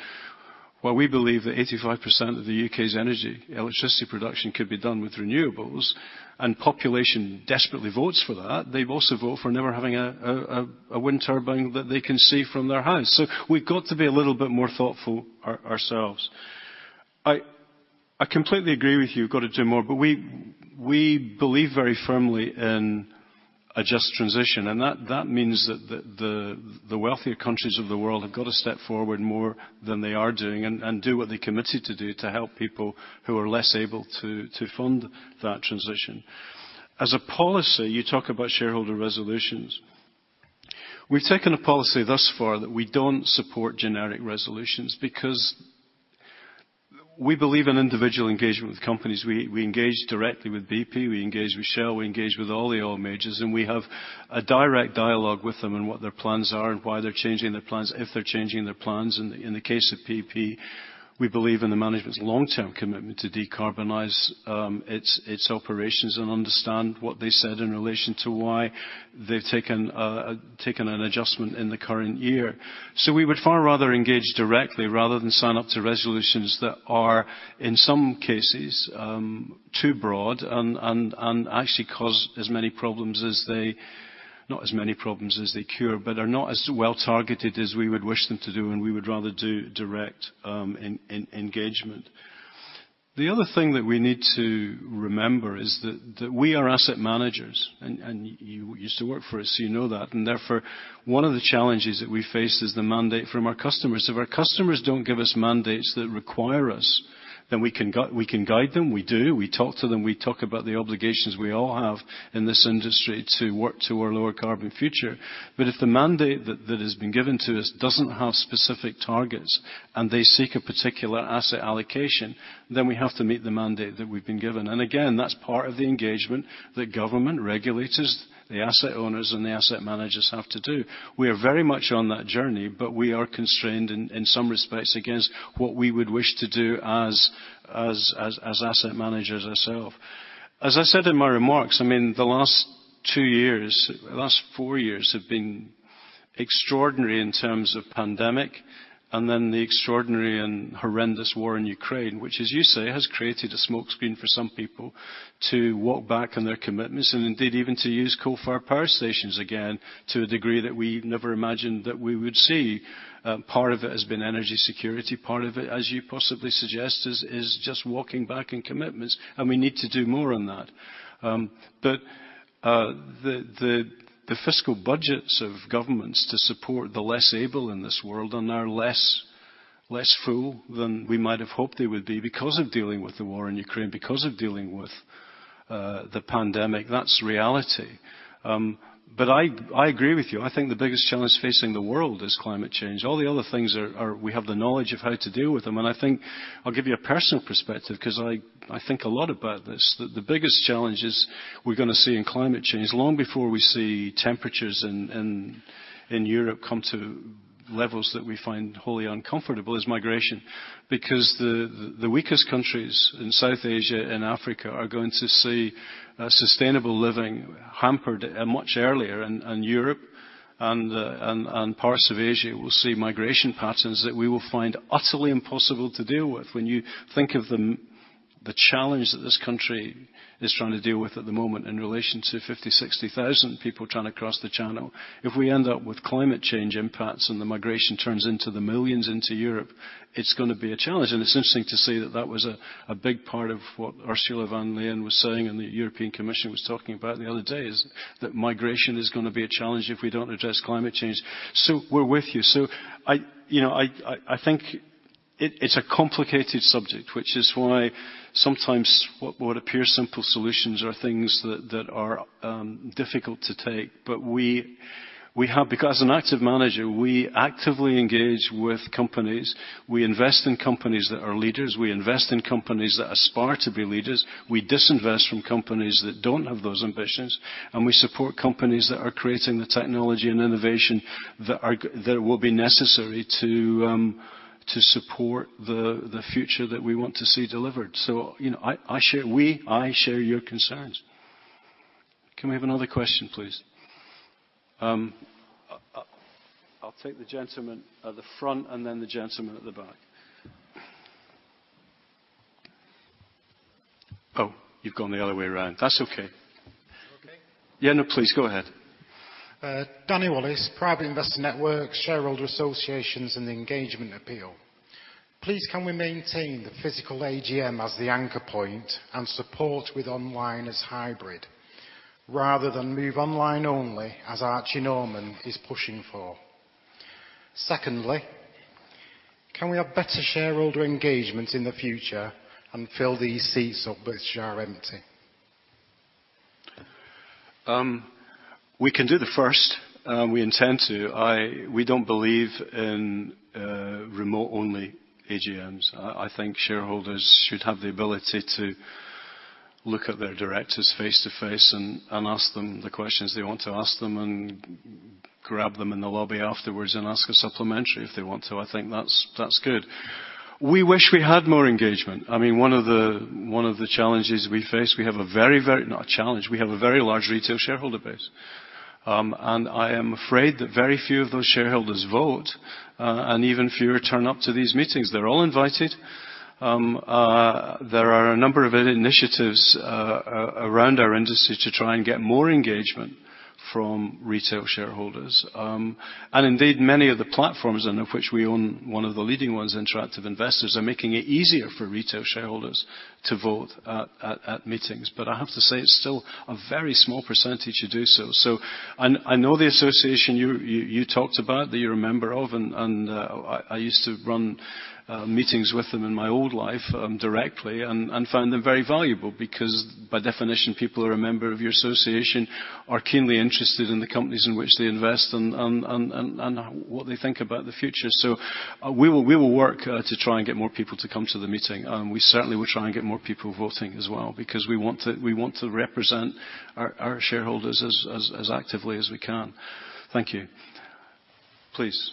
while we believe that 85% of the U.K.'s energy, electricity production could be done with renewables, and population desperately votes for that, they also vote for never having a wind turbine that they can see from their house. We've got to be a little bit more thoughtful ourselves. I completely agree with you, we've got to do more, but we believe very firmly in a just transition. That means that the wealthier countries of the world have got to step forward more than they are doing and do what they committed to do to help people who are less able to fund that transition. As a policy, you talk about shareholder resolutions. We've taken a policy thus far that we don't support generic resolutions because we believe in individual engagement with companies. We engage directly with BP, we engage with Shell, we engage with all the oil majors, and we have a direct dialogue with them on what their plans are and why they're changing their plans, if they're changing their plans. In the case of BP, we believe in the management's long-term commitment to decarbonize its operations and understand what they said in relation to why they've taken an adjustment in the current year. We would far rather engage directly rather than sign up to resolutions that are, in some cases, too broad and actually cause as many problems as they... not as many problems as they cure, but are not as well targeted as we would wish them to do, and we would rather do direct engagement. The other thing that we need to remember is that we are asset managers, and you used to work for us, so you know that. Therefore, one of the challenges that we face is the mandate from our customers. If our customers don't give us mandates that require us, then we can guide them. We do. We talk to them. We talk about the obligations we all have in this industry to work to a lower carbon future. If the mandate that has been given to us doesn't have specific targets and they seek a particular asset allocation, then we have to meet the mandate that we've been given. Again, that's part of the engagement that government regulators, the asset owners and the asset managers have to do. We are very much on that journey, but we are constrained in some respects against what we would wish to do as asset managers ourselves. As I said in my remarks, I mean, the last two years, the last four years have been extraordinary in terms of pandemic and then the extraordinary and horrendous war in Ukraine, which, as you say, has created a smokescreen for some people to walk back on their commitments and indeed even to use coal-fired power stations again to a degree that we never imagined that we would see. Part of it has been energy security, part of it, as you possibly suggest, is just walking back on commitments, and we need to do more on that. The fiscal budgets of governments to support the less able in this world and are less full than we might have hoped they would be because of dealing with the war in Ukraine, because of dealing with the pandemic. That's reality. I agree with you. I think the biggest challenge facing the world is climate change. All the other things are, we have the knowledge of how to deal with them. I think I'll give you a personal perspective 'cause I think a lot about this, that the biggest challenges we're gonna see in climate change, long before we see temperatures in Europe come to levels that we find wholly uncomfortable, is migration. The weakest countries in South Asia and Africa are going to see a sustainable living hampered much earlier. Europe and parts of Asia will see migration patterns that we will find utterly impossible to deal with. When you think of the challenge that this country is trying to deal with at the moment in relation to 50,000, 60,000 people trying to cross the channel. If we end up with climate change impacts and the migration turns into the millions into Europe, it's gonna be a challenge. It's interesting to see that that was a big part of what Ursula von der Leyen was saying and the European Commission was talking about the other day, is that migration is gonna be a challenge if we don't address climate change. We're with you. I, you know, I think it's a complicated subject, which is why sometimes what appear simple solutions are things that are difficult to take. We have because an active manager, we actively engage with companies. We invest in companies that are leaders. We invest in companies that aspire to be leaders. We disinvest from companies that don't have those ambitions. We support companies that are creating the technology and innovation that will be necessary to support the future that we want to see delivered. You know, I share your concerns. Can we have another question, please? I'll take the gentleman at the front and then the gentleman at the back. Oh, you've gone the other way around. That's okay. Okay. Yeah. No, please go ahead. Danny Wallace, Private Investor Network, Shareholder Associations and Engagement Appeal. Please can we maintain the physical AGM as the anchor point and support with online as hybrid rather than move online only as Archie Norman is pushing for? Secondly, can we have better shareholder engagement in the future and fill these seats up which are empty? We can do the first. We intend to. We don't believe in remote-only AGMs. I think shareholders should have the ability to look at their directors face-to-face and ask them the questions they want to ask them and grab them in the lobby afterwards and ask a supplementary if they want to. I think that's good. We wish we had more engagement. I mean, one of the challenges we face, we have a very large retail shareholder base. I am afraid that very few of those shareholders vote, and even fewer turn up to these meetings. They're all invited. There are a number of initiatives around our industry to try and get more engagement from retail shareholders. Indeed many of the platforms and of which we own one of the leading ones, interactive investor, are making it easier for retail shareholders to vote at meetings. I have to say it's still a very small percentage to do so. I know the association you talked about, that you're a member of, and I used to run meetings with them in my old life directly and found them very valuable because by definition, people who are a member of your association are keenly interested in the companies in which they invest and what they think about the future. we will work to try and get more people to come to the meeting, and we certainly will try and get more people voting as well because we want to represent our shareholders as actively as we can. Thank you. Please.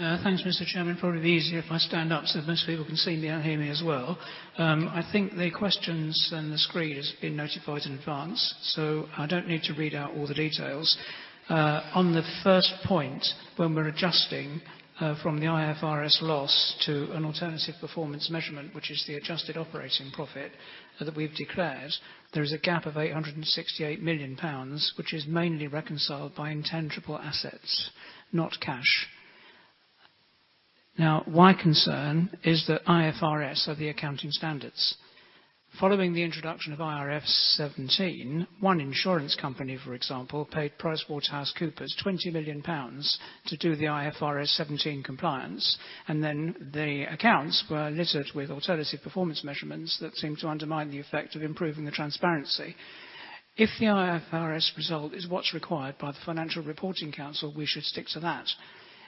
Thanks, Mr. Chairman. Probably be easier if I stand up, most people can see me and hear me as well. I think the questions and the screen has been notified in advance, I don't need to read out all the details. On the first point, when we're adjusting from the IFRS loss to an alternative performance measurement, which is the adjusted operating profit that we've declared, there is a gap of 868 million pounds, which is mainly reconciled by intangible assets, not cash. My concern is that IFRS are the accounting standards. Following the introduction of IFRS 17, one insurance company, for example, paid PricewaterhouseCoopers 20 million pounds to do the IFRS 17 compliance, the accounts were littered with alternative performance measurements that seemed to undermine the effect of improving the transparency. If the IFRS result is what's required by the Financial Reporting Council, we should stick to that,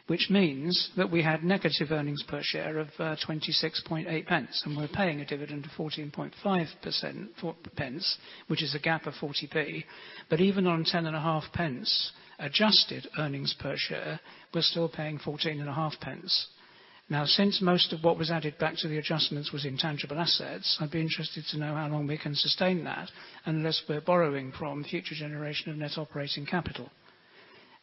which means that we had negative earnings per share of 0.268, and we're paying a dividend of 0.145, which is a gap of 0.40. Even on 0.105 adjusted earnings per share, we're still paying 0.145. Since most of what was added back to the adjustments was intangible assets, I'd be interested to know how long we can sustain that unless we're borrowing from future generation of net operating capital.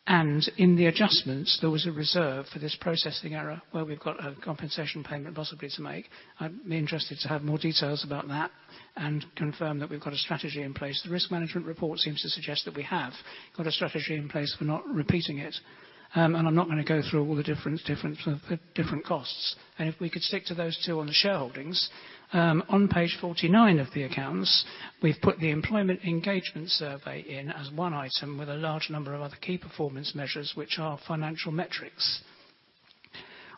In the adjustments, there was a reserve for this processing error where we've got a compensation payment possibly to make. I'd be interested to have more details about that and confirm that we've got a strategy in place. The risk management report seems to suggest that we have got a strategy in place. We're not repeating it. I'm not gonna go through all the different costs. If we could stick to those two on the shareholdings. On Page 49 of the accounts, we've put the employment engagement survey in as one item with a large number of other key performance measures, which are financial metrics.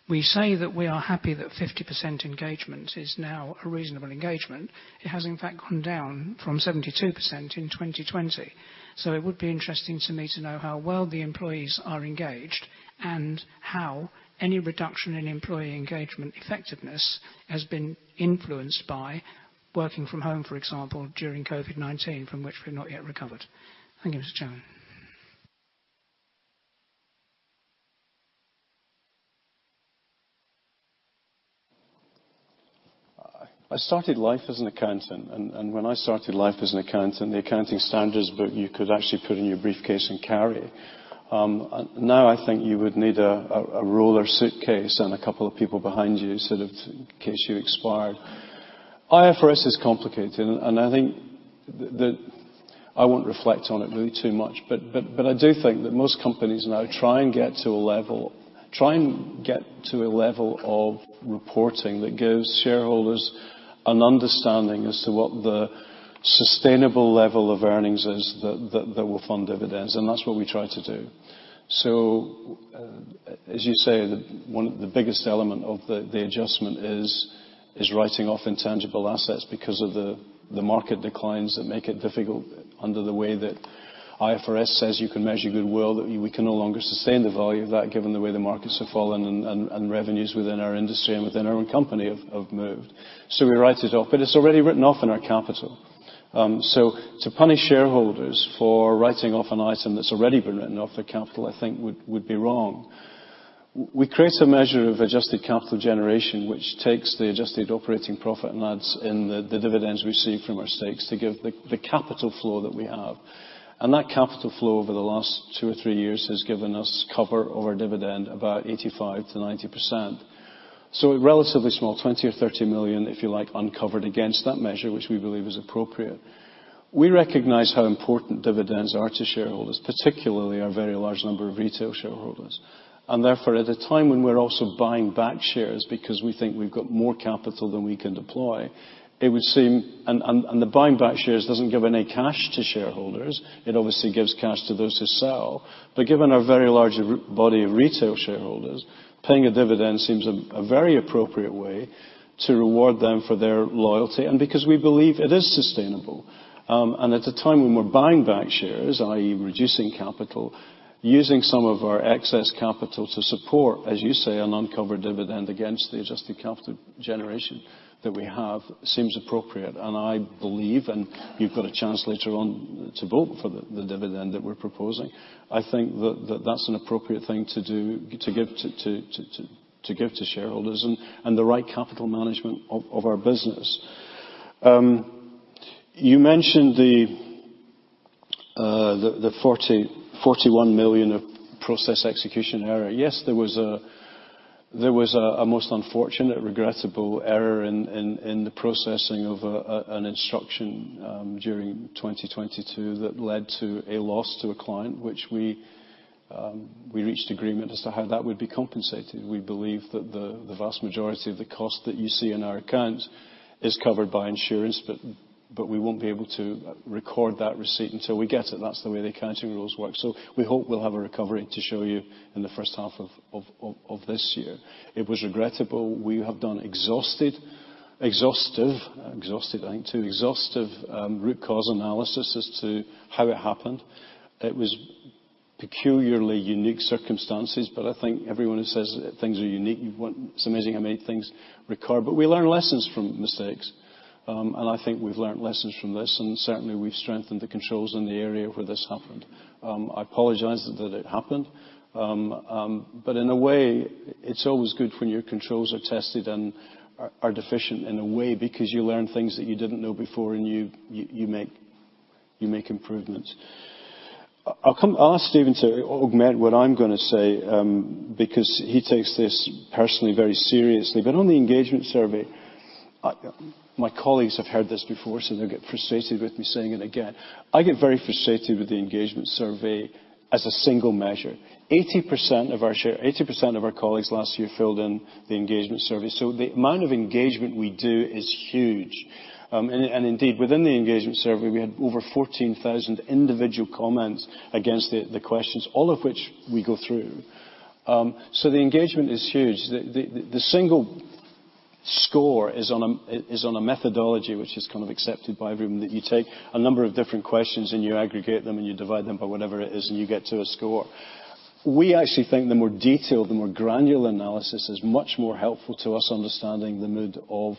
We say that we are happy that 50% engagement is now a reasonable engagement. It has in fact gone down from 72% in 2020. It would be interesting to me to know how well the employees are engaged and how any reduction in employee engagement effectiveness has been influenced by working from home, for example, during COVID-19, from which we've not yet recovered. Thank you, Mr. Chairman. I started life as an accountant, and when I started life as an accountant, the accounting standards book you could actually put in your briefcase and carry. Now I think you would need a roller suitcase and a couple of people behind you, sort of in case you expired. IFRS is complicated and I think that I won't reflect on it really too much, but I do think that most companies now try and get to a level of reporting that gives shareholders an understanding as to what the sustainable level of earnings is that will fund dividends, and that's what we try to do. As you say, the, one of the biggest element of the adjustment is writing off intangible assets because of the market declines that make it difficult under the way that IFRS says you can measure goodwill, that we can no longer sustain the value of that given the way the markets have fallen and, and revenues within our industry and within our own company have moved. We write it off, but it's already written off in our capital. To punish shareholders for writing off an item that's already been written off their capital, I think would be wrong. We create a measure of adjusted capital generation, which takes the adjusted operating profit and adds in the dividends we receive from our stakes to give the capital flow that we have. That capital flow over the last two or three years has given us cover of our dividend about 85%-90%. A relatively small 20 million or 30 million, if you like, uncovered against that measure, which we believe is appropriate. We recognize how important dividends are to shareholders, particularly our very large number of retail shareholders. Therefore, at a time when we're also buying back shares because we think we've got more capital than we can deploy, it would seem... The buying back shares doesn't give any cash to shareholders. It obviously gives cash to those who sell. Given our very large body of retail shareholders, paying a dividend seems a very appropriate way to reward them for their loyalty, and because we believe it is sustainable. At a time when we're buying back shares, i.e., reducing capital, using some of our excess capital to support, as you say, an uncovered dividend against the adjusted capital generation that we have seems appropriate. I believe, you've got a chance later on to vote for the dividend that we're proposing. I think that's an appropriate thing to do, to give to shareholders and the right capital management of our business. You mentioned the 40, 41 million of process execution error. Yes, there was a most unfortunate, regrettable error in the processing of an instruction during 2022 that led to a loss to a client which we reached agreement as to how that would be compensated. We believe that the vast majority of the cost that you see in our account is covered by insurance, but we won't be able to record that receipt until we get it. That's the way the accounting rules work. We hope we'll have a recovery to show you in the first half of this year. It was regrettable. We have done exhaustive, I think, two exhaustive root cause analysis as to how it happened. It was peculiarly unique circumstances. I think everyone who says things are unique. It's amazing how many things recur. We learn lessons from mistakes. I think we've learned lessons from this, and certainly we've strengthened the controls in the area where this happened. I apologize that it happened. In a way, it's always good when your controls are tested and are deficient in a way because you learn things that you didn't know before and you make improvements. I'll ask Stephen to augment what I'm gonna say because he takes this personally very seriously. On the engagement survey, my colleagues have heard this before, so they'll get frustrated with me saying it again. I get very frustrated with the engagement survey as a single measure. 80% of our colleagues last year filled in the engagement survey. The amount of engagement we do is huge. And indeed, within the engagement survey, we had over 14,000 individual comments against the questions, all of which we go through. The engagement is huge. The single score is on a methodology which is kind of accepted by everyone, that you take a number of different questions and you aggregate them and you divide them by whatever it is and you get to a score. We actually think the more detailed, the more granular analysis is much more helpful to us understanding the mood of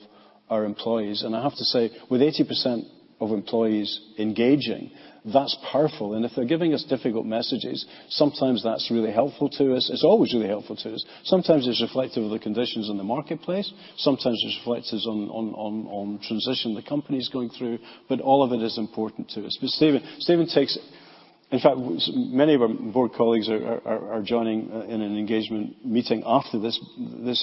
our employees. I have to say, with 80% of employees engaging, that's powerful. If they're giving us difficult messages, sometimes that's really helpful to us. It's always really helpful to us. Sometimes it's reflective of the conditions in the marketplace. Sometimes it reflects on transition the company's going through. All of it is important to us. Stephen takes... In fact, many of our board colleagues are joining in an engagement meeting after this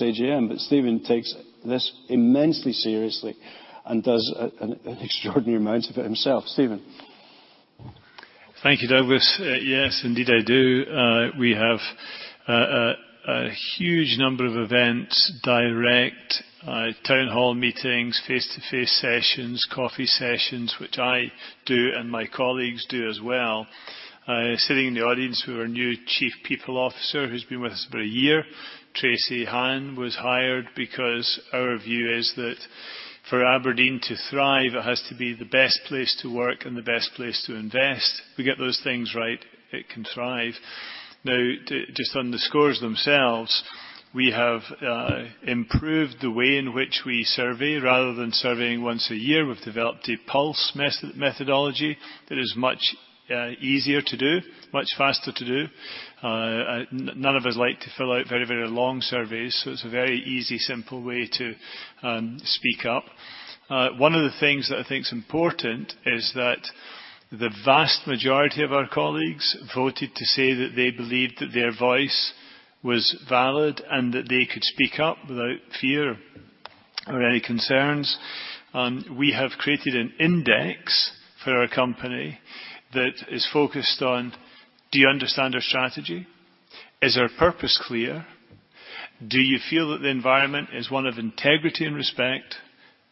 AGM. Stephen takes this immensely seriously and does an extraordinary amount of it himself. Stephen. Thank you, Douglas. Yes, indeed I do. We have a huge number of events, direct, town hall meetings, face-to-face sessions, coffee sessions, which I do and my colleagues do as well. Sitting in the audience, we were a new Chief People Officer who's been with us for a year. Tracy Hahn was hired because our view is that for Aberdeen to thrive, it has to be the best place to work and the best place to invest. We get those things right, it can thrive. Now, just on the scores themselves, we have improved the way in which we survey. Rather than surveying once a year, we've developed a pulse methodology that is much easier to do, much faster to do. None of us like to fill out very, very long surveys. It's a very easy, simple way to speak up. One of the things that I think is important is that the vast majority of our colleagues voted to say that they believed that their voice was valid and that they could speak up without fear or any concerns. We have created an index for our company that is focused on, do you understand our strategy? Is our purpose clear? Do you feel that the environment is one of integrity and respect?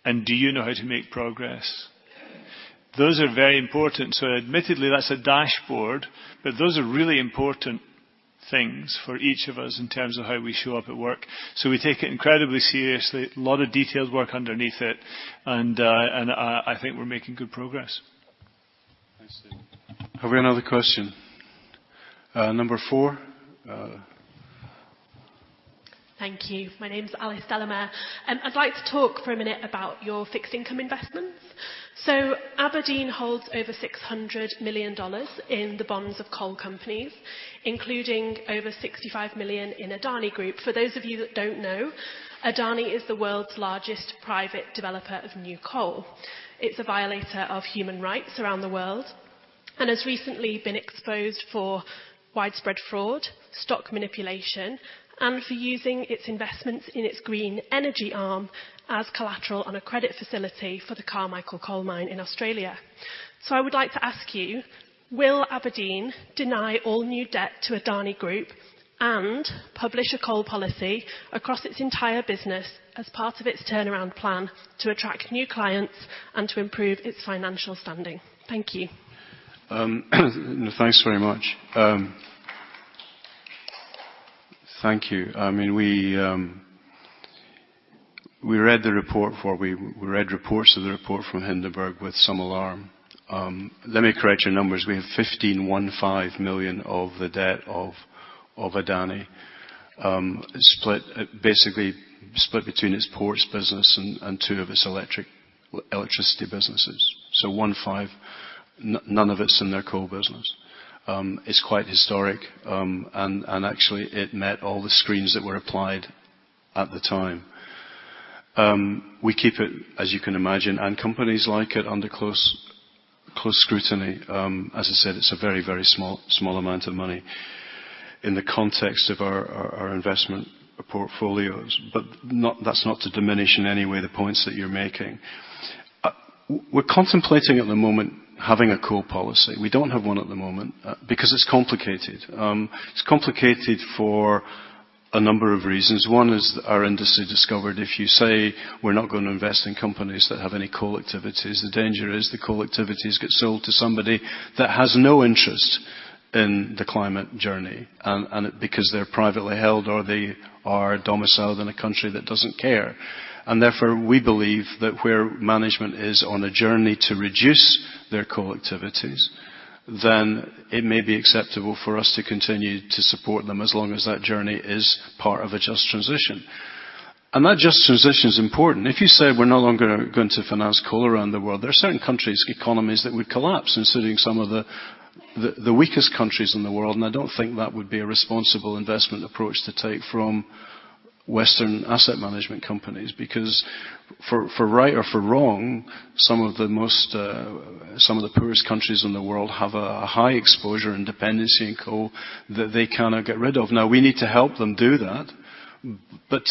Do you know how to make progress? Those are very important. Admittedly, that's a dashboard, but those are really important things for each of us in terms of how we show up at work. We take it incredibly seriously. A lot of detailed work underneath it, and I think we're making good progress. Thanks, Stephen. Have we another question? Number 4. Thank you. My name's Alice Delamere. I'd like to talk for a minute about your fixed income investments. Aberdeen holds over $600 million in the bonds of coal companies, including over $65 million in Adani Group. For those of you that don't know, Adani is the world's largest private developer of new coal. It's a violator of human rights around the world, and has recently been exposed for widespread fraud, stock manipulation, and for using its investments in its green energy arm as collateral on a credit facility for the Carmichael coal mine in Australia. I would like to ask you, will Aberdeen deny all new debt to Adani Group and publish a coal policy across its entire business as part of its turnaround plan to attract new clients and to improve its financial standing? Thank you. Thanks very much. Thank you. I mean, we read reports of the report from Hindenburg with some alarm. Let me correct your numbers. We have 15 million of the debt of Adani, split, basically split between its ports business and two of its electricity businesses. So 15 million. None of it's in their core business. It's quite historic. Actually it met all the screens that were applied at the time. We keep it, as you can imagine, and companies like it under close scrutiny. As I said, it's a very, very small amount of money in the context of our investment portfolios, but that's not to diminish in any way the points that you're making. We're contemplating at the moment having a coal policy. We don't have one at the moment because it's complicated. It's complicated for a number of reasons. One is our industry discovered if you say we're not gonna invest in companies that have any coal activities, the danger is the coal activities get sold to somebody that has no interest in the climate journey because they're privately held, or they are domiciled in a country that doesn't care. Therefore, we believe that where management is on a journey to reduce their coal activities, then it may be acceptable for us to continue to support them as long as that journey is part of a just transition. That just transition is important. If you say we're no longer going to finance coal around the world, there are certain countries, economies that would collapse, including some of the weakest countries in the world, and I don't think that would be a responsible investment approach to take from Western asset management companies. For right or for wrong, some of the most, some of the poorest countries in the world have a high exposure and dependency in coal that they cannot get rid of. We need to help them do that, but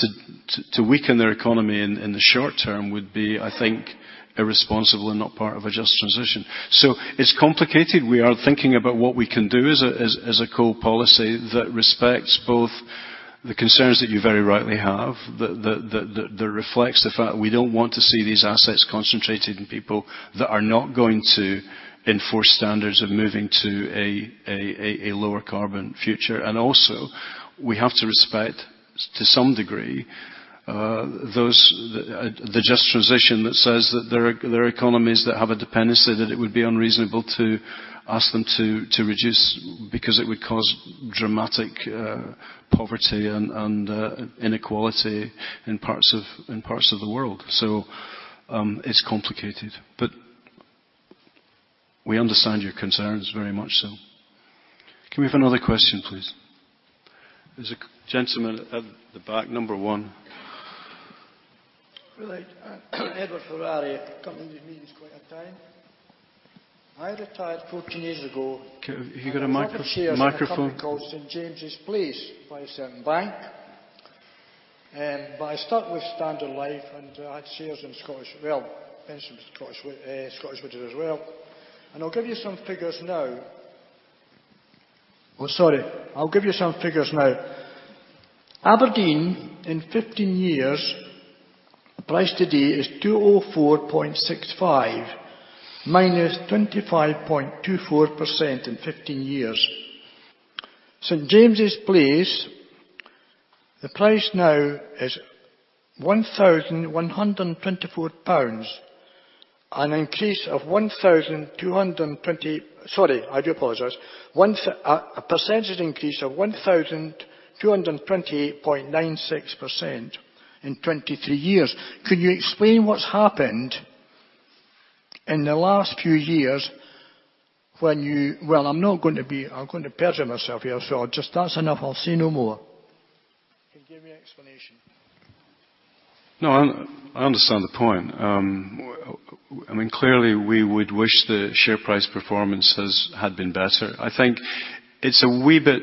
to weaken their economy in the short term would be, I think irresponsible and not part of a just transition. It's complicated. We are thinking about what we can do as a coal policy that respects both the concerns that you very rightly have, that reflects the fact we don't want to see these assets concentrated in people that are not going to enforce standards of moving to a lower carbon future. Also, we have to respect to some degree those the just transition that says that there are economies that have a dependency that it would be unreasonable to ask them to reduce because it would cause dramatic poverty and inequality in parts of the world. It's complicated, but we understand your concerns very much so. Can we have another question, please? There's a gentleman at the back, number one. Right. Edward Ferrari. Company with me this quite a time. I retired 14 years ago. Okay. Have you got a microphone? I was offered shares in a company called St. James's Place by certain bank. I start with Standard Life, and I had shares in Scottish Widows as well. I'll give you some figures now. Oh, sorry. I'll give you some figures now. Aberdeen, in 15 years, the price today is 204.65, -25.24% in 15 years. St. James's Place, the price now is 1,124 pounds. Sorry, I do apologize. A percentage increase of 1,228.96% in 23 years. Could you explain what's happened in the last few years when. Well, I'm going to perjure myself here, so I'll just... That's enough. I'll say no more. Can you give me an explanation? I understand the point. I mean, clearly, we would wish the share price performance had been better. I think it's a wee bit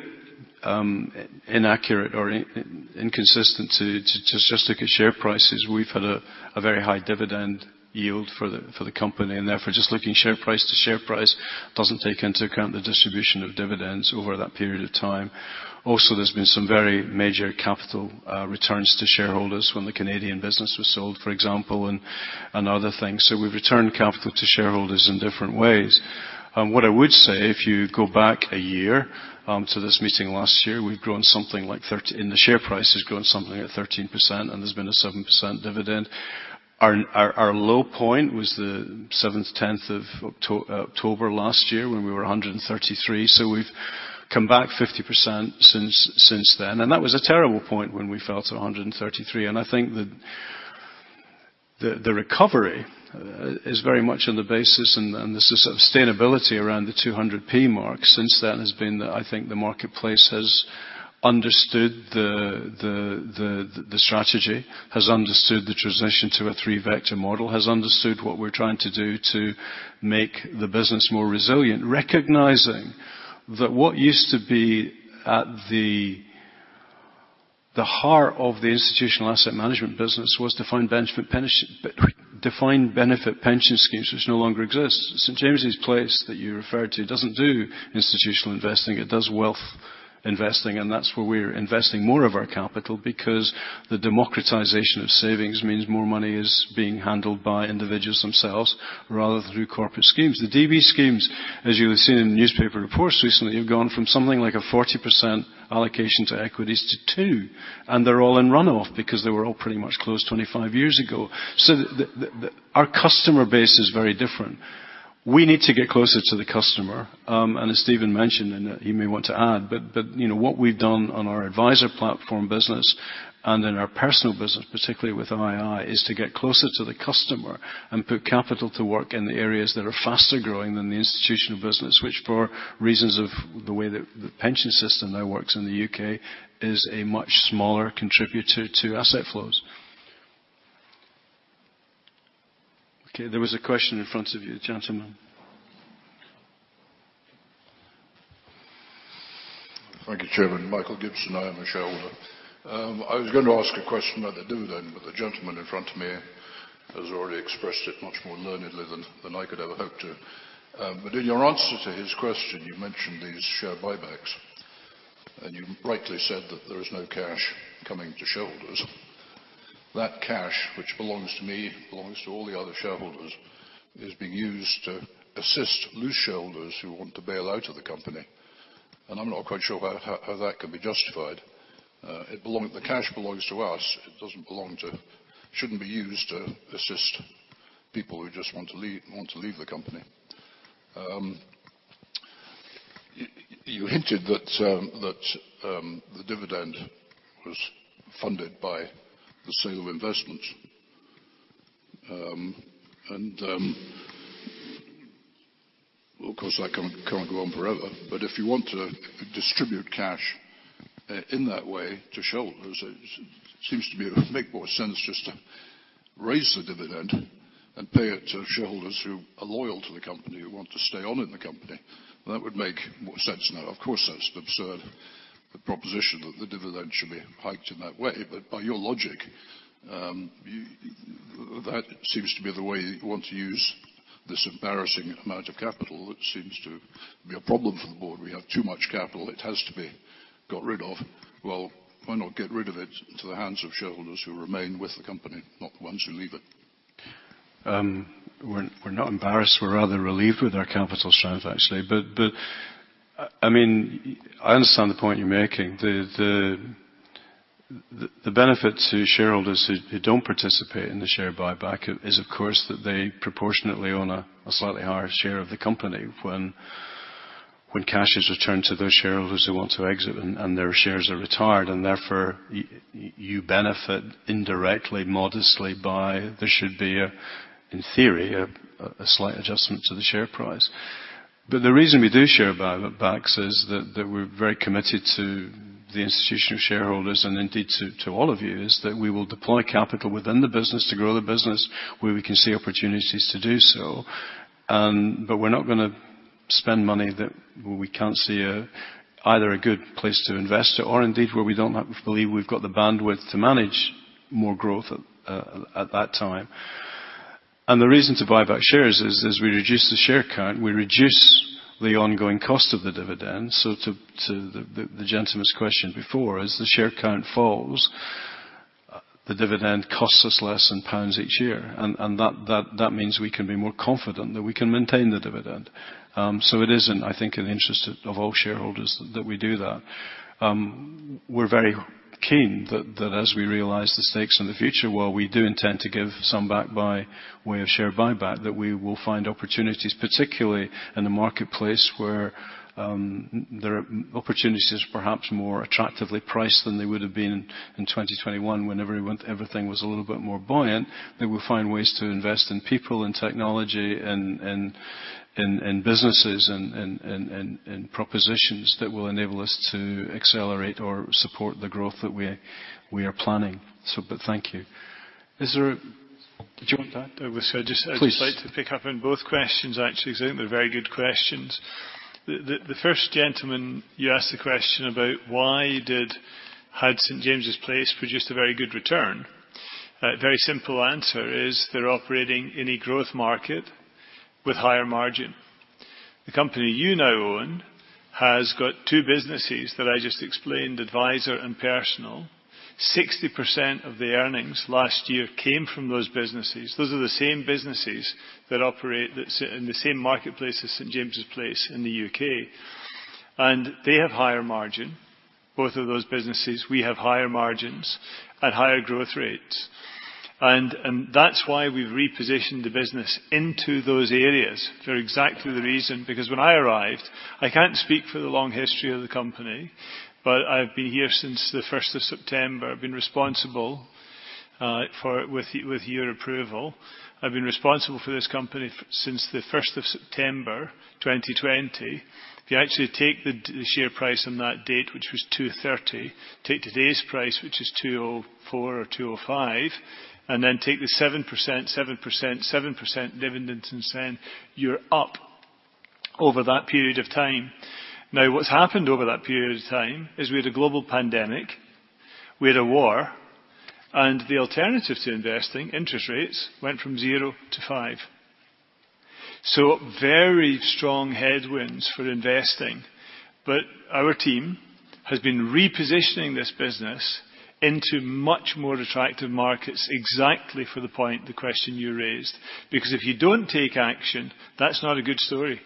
inaccurate or inconsistent to just look at share prices. We've had a very high dividend yield for the company, just looking share price to share price doesn't take into account the distribution of dividends over that period of time. There's been some very major capital returns to shareholders when the Canadian business was sold, for example, and other things. We've returned capital to shareholders in different ways. What I would say, if you go back a year, to this meeting last year, the share price has grown something like 13%, there's been a 7% dividend. Our low point was the October 7th last year when we were 133. We've come back 50% since then, and that was a terrible point when we fell to 133p. I think that the recovery is very much on the basis and the sustainability around the 200p mark since then has been the. I think the marketplace has understood the strategy, has understood the transition to a three vector model, has understood what we're trying to do to make the business more resilient. Recognizing that what used to be at the heart of the institutional asset management business was defined benefit pension schemes which no longer exist. St. James's Place that you referred to doesn't do institutional investing. It does wealth investing, and that's where we're investing more of our capital because the democratization of savings means more money is being handled by individuals themselves rather than through corporate schemes. The DB schemes, as you have seen in newspaper reports recently, have gone from something like a 40% allocation to equities to 2%, and they're all in runoff because they were all pretty much closed 25 years ago. Our customer base is very different. We need to get closer to the customer, and as Stephen mentioned, and he may want to add, but, you know, what we've done on our adviser platform business and in our personal business, particularly with ii, is to get closer to the customer and put capital to work in the areas that are faster growing than the institutional business, which for reasons of the way the pension system now works in the U.K., is a much smaller contributor to asset flows. Okay. There was a question in front of you, gentleman. Thank you, Chairman. Michael Gibson. I am a shareholder. I was gonna ask a question out of the blue then, the gentleman in front of me has already expressed it much more learnedly than I could ever hope to. In your answer to his question, you mentioned these share buybacks, you rightly said that there is no cash coming to shareholders. That cash, which belongs to me, belongs to all the other shareholders, is being used to assist loose shareholders who want to bail out of the company, I'm not quite sure how that can be justified. The cash belongs to us. It doesn't belong to. It shouldn't be used to assist people who just want to leave the company. You hinted that, the dividend was funded by the sale of investments. Of course that can't go on forever. If you want to distribute cash in that way to shareholders, it seems to me it would make more sense just to raise the dividend and pay it to shareholders who are loyal to the company, who want to stay on in the company. That would make more sense. Of course, that's an absurd proposition that the dividend should be hiked in that way. By your logic, that seems to be the way you want to use this embarrassing amount of capital. That seems to be a problem for the board. We have too much capital. It has to be got rid of. Why not get rid of it into the hands of shareholders who remain with the company, not the ones who leave it? We're not embarrassed. We're rather relieved with our capital strength, actually. I mean, I understand the point you're making. The benefit to shareholders who don't participate in the share buyback is, of course, that they proportionately own a slightly higher share of the company when cash is returned to those shareholders who want to exit and their shares are retired, and therefore you benefit indirectly modestly by. There should be a, in theory, a slight adjustment to the share price. The reason we do share buybacks is that we're very committed to the institutional shareholders, and indeed to all of you, is that we will deploy capital within the business to grow the business where we can see opportunities to do so. We're not gonna spend money that where we can't see a, either a good place to invest it or indeed where believe we've got the bandwidth to manage more growth at that time. The reason to buy back shares is, as we reduce the share count, we reduce the ongoing cost of the dividend. To the gentleman's question before, as the share count falls, the dividend costs us less in GBP each year, and that means we can be more confident that we can maintain the dividend. It is in, I think, in the interest of all shareholders that we do that. We're very keen that as we realize the stakes in the future, while we do intend to give some back by way of share buyback, that we will find opportunities, particularly in the marketplace, where there are opportunities perhaps more attractively priced than they would have been in 2021 when everything was a little bit more buoyant. That we'll find ways to invest in people and technology and businesses and propositions that will enable us to accelerate or support the growth that we are planning. But thank you. Is there... Do you want that? Please. I'd just like to pick up on both questions, actually, 'cause I think they're very good questions. The 1st gentleman, you asked the question about why had St. James's Place produced a very good return. Very simple answer is they're operating in a growth market with higher margin. The company you now own has got two businesses that I just explained, Advisor and Personal. 60% of the earnings last year came from those businesses. Those are the same businesses that operate in the same marketplace as St. James's Place in the U.K. They have higher margin. Both of those businesses, we have higher margins at higher growth rates. That's why we've repositioned the business into those areas for exactly the reason. When I arrived, I can't speak for the long history of the company, but I've been here since the first of September. I've been responsible, with your approval, I've been responsible for this company since the first of September 2020. If you actually take the share price on that date, which was 2.30, take today's price, which is 2.04 or 2.05, and then take the 7%, 7%, 7% dividends and send, you're up over that period of time. What's happened over that period of time is we had a global pandemic, we had a war, and the alternative to investing, interest rates, went from 0-5%. Very strong headwinds for investing. Our team has been repositioning this business into much more attractive markets exactly for the point, the question you raised. If you don't take action, that's not a good story.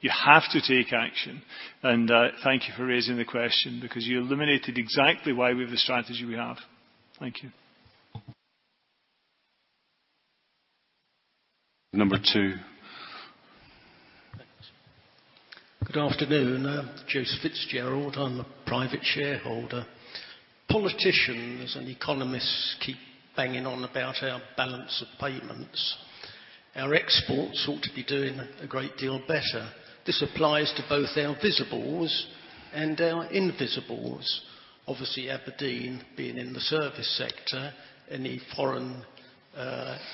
You have to take action. Thank you for raising the question because you illuminated exactly why we have the strategy we have. Thank you. Number 2. Thanks. Good afternoon. I'm Joseph Fitzgerald. I'm a private shareholder. Politicians and economists keep banging on about our balance of payments. Our exports ought to be doing a great deal better. This applies to both our visibles and our invisibles. Obviously, Aberdeen being in the service sector, any foreign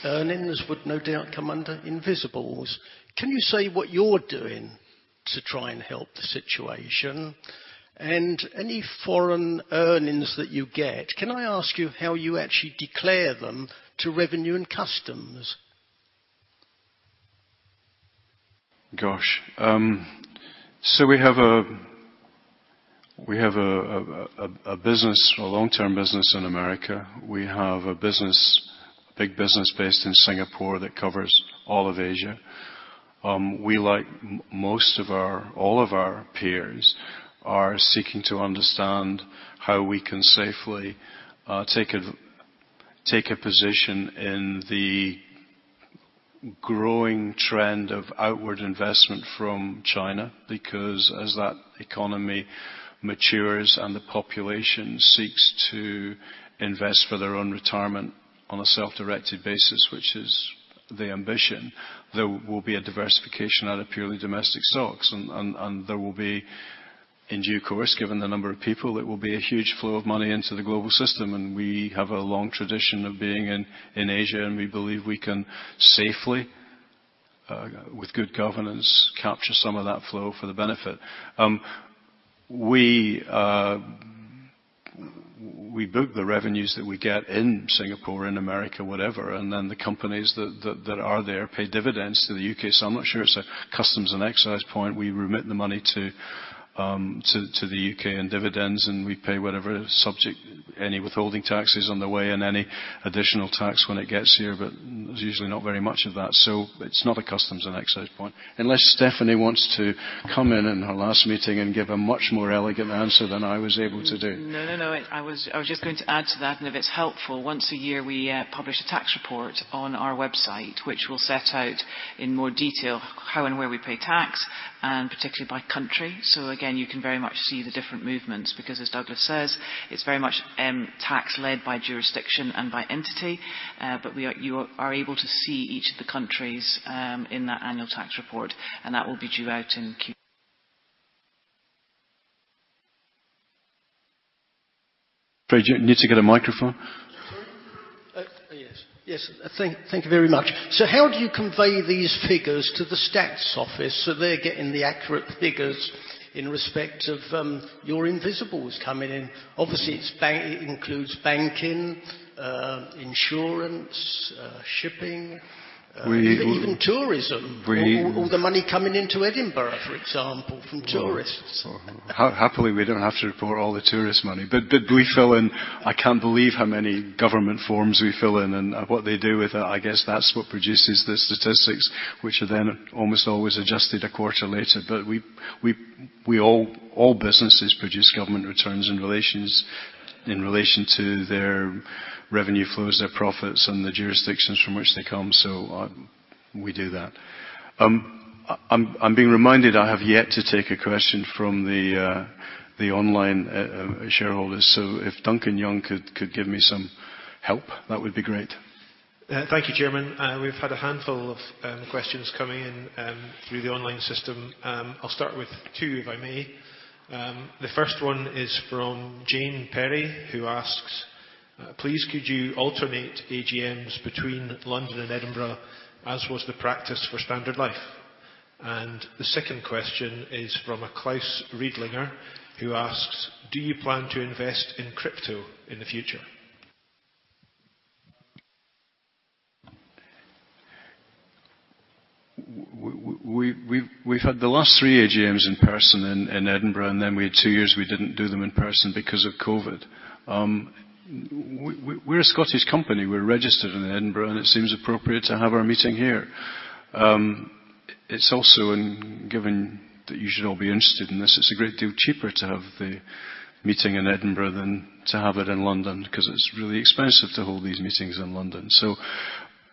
earnings would no doubt come under invisibles. Can you say what you're doing to try and help the situation? Any foreign earnings that you get, can I ask you how you actually declare them to Revenue and Customs? Gosh. We have a business, a long-term business in America. We have a business, big business based in Singapore that covers all of Asia. We, like all of our peers, are seeking to understand how we can safely take a position in the growing trend of outward investment from China. Because as that economy matures and the population seeks to invest for their own retirement on a self-directed basis, which is the ambition, there will be a diversification out of purely domestic stocks. There will be, in due course, given the number of people, it will be a huge flow of money into the global system. We have a long tradition of being in Asia, and we believe we can safely, with good governance, capture some of that flow for the benefit. We book the revenues that we get in Singapore, in America, whatever. The companies that are there pay dividends to the U.K.. I'm not sure it's a customs and excise point. We remit the money to the U.K. in dividends, and we pay whatever subject, any withholding taxes on the way and any additional tax when it gets here. There's usually not very much of that. It's not a customs and excise point. Unless Stephanie wants to come in in her last meeting and give a much more elegant answer than I was able to do. No, no. I was just going to add to that. If it's helpful, once a year we publish a tax report on our website, which will set out in more detail how and where we pay tax, and particularly by country. Again, you can very much see the different movements because as Douglas says, it's very much tax-led by jurisdiction and by entity. you are able to see each of the countries in that annual tax report. Fred, you need to get a microphone. Sorry? Yes. Yes. Thank you very much. How do you convey these figures to the stats office so they're getting the accurate figures in respect of your invisibles coming in? Obviously, it includes banking, insurance, shipping. We- Even tourism. We- All the money coming into Edinburgh, for example, from tourists. Happily we don't have to report all the tourist money. We fill in. I can't believe how many government forms we fill in. What they do with it, I guess that's what produces the statistics, which are then almost always adjusted a quarter later. We all businesses produce government returns in relations, in relation to their revenue flows, their profits, and the jurisdictions from which they come, so we do that. I'm being reminded I have yet to take a question from the online shareholders. If Duncan Young could give me some help, that would be great. Thank you, Chairman. We've had a handful of questions coming in through the online system. I'll start with two, if I may. The first one is from Jane Perry, who asks, "Please could you alternate AGMs between London and Edinburgh, as was the practice for Standard Life?" The 2nd question is from a Klaus Riedlinger who asks, "Do you plan to invest in crypto in the future? We've had the last three AGMs in person in Edinburgh, then we had two years we didn't do them in person because of COVID. We're a Scottish company. We're registered in Edinburgh, it seems appropriate to have our meeting here. It's also, given that you should all be interested in this, it's a great deal cheaper to have the meeting in Edinburgh than to have it in London, 'cause it's really expensive to hold these meetings in London.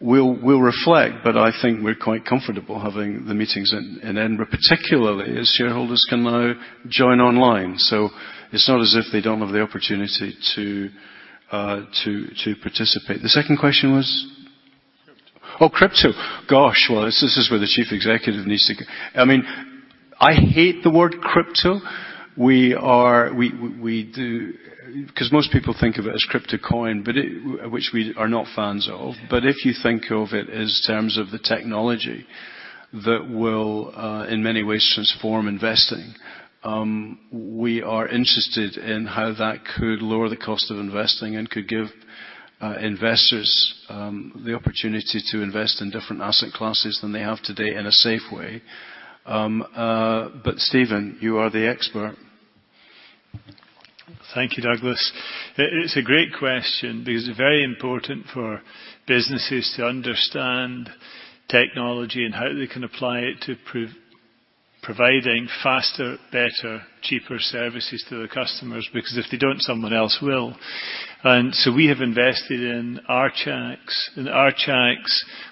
We'll reflect, but I think we're quite comfortable having the meetings in Edinburgh, particularly as shareholders can now join online. It's not as if they don't have the opportunity to participate. The 2nd question was? Crypto. Oh, crypto. Gosh. Well, this is where the chief executive needs to... I mean, I hate the word crypto. We do... 'Cause most people think of it as crypto coin, which we are not fans of. If you think of it as terms of the technology that will, in many ways transform investing, we are interested in how that could lower the cost of investing and could give investors the opportunity to invest in different asset classes than they have today in a safe way. Stephen, you are the expert. Thank you, Douglas. It's a great question because it's very important for businesses to understand technology and how they can apply it to providing faster, better, cheaper services to the customers, because if they don't, someone else will. We have invested in Archax. Archax,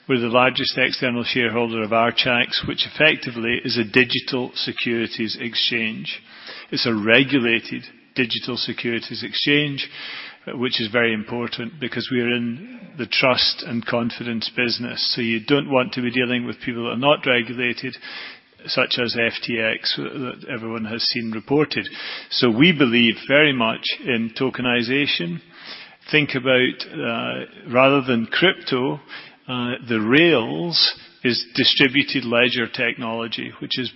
we're the largest external shareholder of Archax, which effectively is a digital securities exchange. It's a regulated digital securities exchange, which is very important because we are in the trust and confidence business. You don't want to be dealing with people that are not regulated, such as FTX, that everyone has seen reported. We believe very much in tokenization Think about rather than crypto, the rails is distributed ledger technology, which is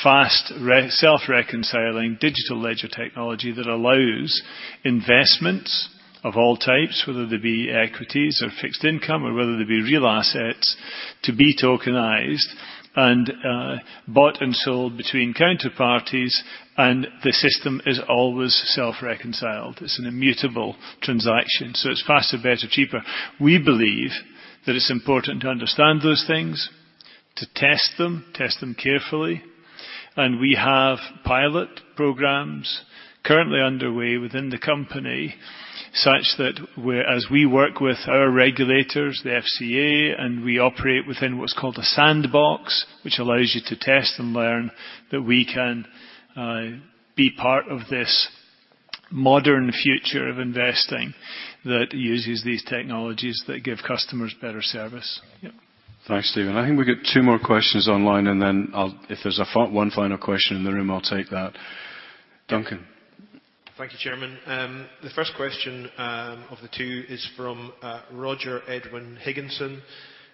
fast self-reconciling digital ledger technology that allows investments of all types, whether they be equities or fixed income or whether they be real assets, to be tokenized and bought and sold between counterparties and the system is always self-reconciled. It's an immutable transaction. It's faster, better, cheaper. We believe that it's important to understand those things, to test them, test them carefully. We have pilot programs currently underway within the company, such that as we work with our regulators, the FCA, and we operate within what's called a sandbox, which allows you to test and learn, that we can be part of this modern future of investing that uses these technologies that give customers better service. Yep. Thanks, Stephen. I think we got two more questions online, and then I'll. If there's one final question in the room, I'll take that. Duncan. Thank you, Chairman. The first question of the two is from Roger Edwin Higginson,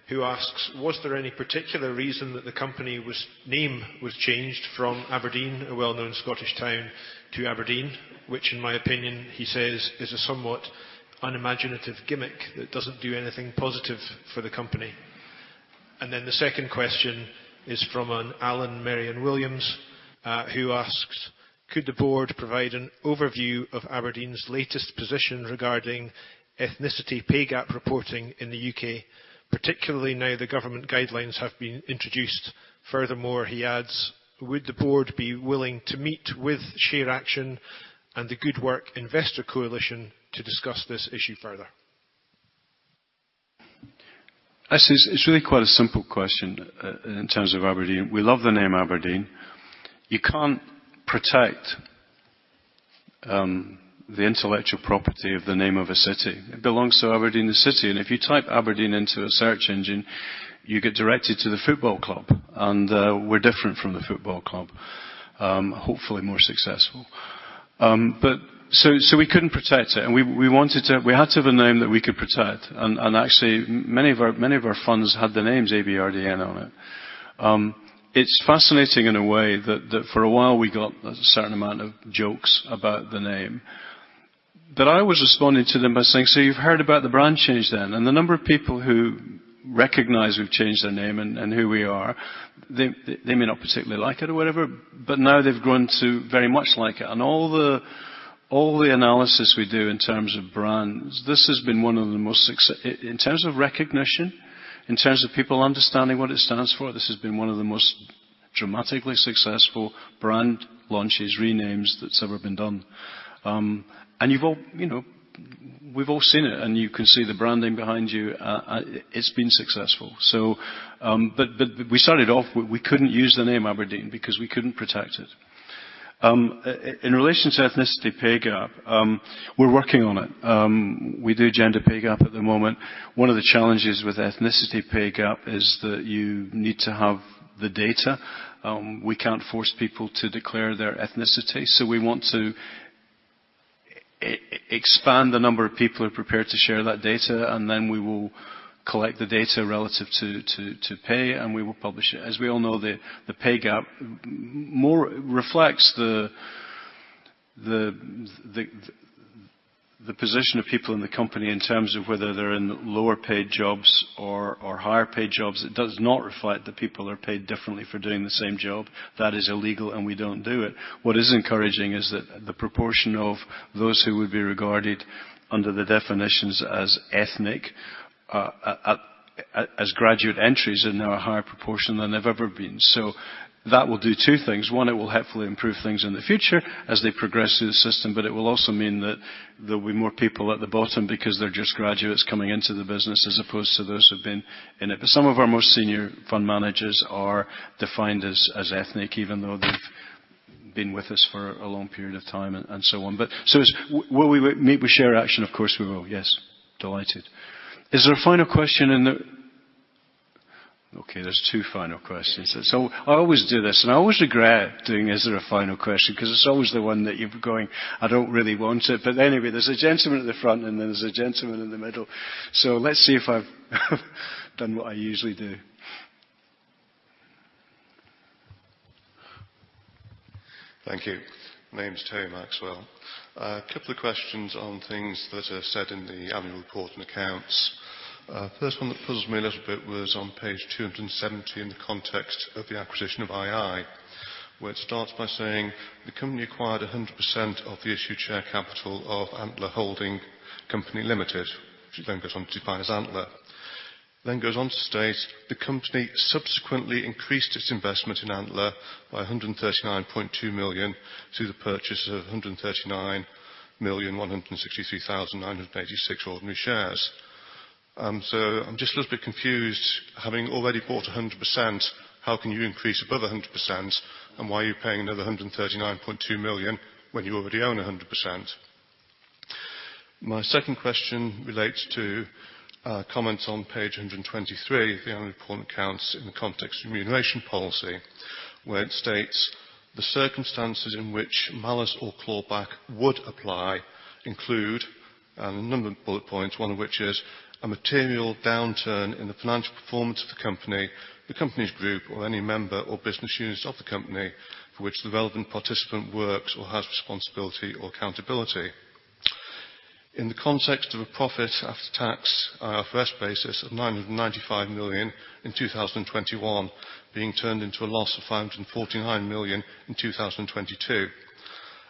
who asks, "Was there any particular reason that the company name was changed from Aberdeen, a well-known Scottish town, to Aberdeen? Which in my opinion," he says, "is a somewhat unimaginative gimmick that doesn't do anything positive for the company." The 2nd question is from an Alan Marion Williams, who asks, "Could the board provide an overview of Aberdeen's latest position regarding ethnicity pay gap reporting in the U.K., particularly now the government guidelines have been introduced? Furthermore," he adds, "would the board be willing to meet with ShareAction and the Good Work Investor Coalition to discuss this issue further? This is, it's really quite a simple question in terms of Aberdeen. We love the name Aberdeen. You can't protect the intellectual property of the name of a city. It belongs to Aberdeen the city. If you type Aberdeen into a search engine, you get directed to the football club. We're different from the football club. Hopefully more successful. So we couldn't protect it. We had to have a name that we could protect and actually many of our funds had the names A-B-E-R-D-E-E-N on it. It's fascinating in a way that for a while we got a certain amount of jokes about the name that I was responding to them by saying, "So you've heard about the brand change then?" The number of people who recognize we've changed the name and who we are, they may not particularly like it or whatever, but now they've grown to very much like it. All the analysis we do in terms of brands, this has been one of the most successful in terms of recognition, in terms of people understanding what it stands for, this has been one of the most dramatically successful brand launches, renames that's ever been done. You've all, you know, we've all seen it, and you can see the branding behind you. It's been successful. We started off, we couldn't use the name Aberdeen because we couldn't protect it. In relation to ethnicity pay gap, we're working on it. We do gender pay gap at the moment. One of the challenges with ethnicity pay gap is that you need to have the data. We can't force people to declare their ethnicity, we want to expand the number of people who are prepared to share that data, then we will collect the data relative to pay, we will publish it. As we all know, the pay gap more reflects the position of people in the company in terms of whether they're in lower paid jobs or higher paid jobs. It does not reflect that people are paid differently for doing the same job. That is illegal, and we don't do it. What is encouraging is that the proportion of those who would be regarded under the definitions as ethnic as graduate entries are now a higher proportion than they've ever been. That will do two things. One, it will hopefully improve things in the future as they progress through the system, but it will also mean that there'll be more people at the bottom because they're just graduates coming into the business as opposed to those who've been in it. Some of our most senior fund managers are defined as ethnic, even though they've been with us for a long period of time and so on. Will we meet with ShareAction? Of course, we will. Yes. Delighted. Is there a final question in the. There are two final questions. I always do this, and I always regret doing, "Is there a final question?" 'cause it's always the one that you're going, "I don't really want to." Anyway, there's a gentleman at the front, and then there's a gentleman in the middle. Let's see if I've done what I usually do. Thank you. My name's Terry Maxwell. A couple of questions on things that are said in the annual report and accounts. First one that puzzles me a little bit was on Page 270 in the context of the acquisition of ii, where it starts by saying, "The company acquired 100% of the issue share capital of Antler Holding Company Limited," which then goes on to define as Antler. Goes on to state, "The company subsequently increased its investment in Antler by 139.2 million through the purchase of 139,163,986 ordinary shares." I'm just a little bit confused. Having already bought 100%, how can you increase above 100%? Why are you paying another 139.2 million when you already own 100%? My 2nd question relates to comments on Page 123 of the annual report and accounts in the context of remuneration policy, where it states, "The circumstances in which malus or clawback would apply include," and a number of bullet points, one of which is, "A material downturn in the financial performance of the company, the company's group or any member or business units of the company for which the relevant participant works or has responsibility or accountability." In the context of a profit after tax on a IFRS basis of 995 million in 2021 being turned into a loss of 549 million in 2022.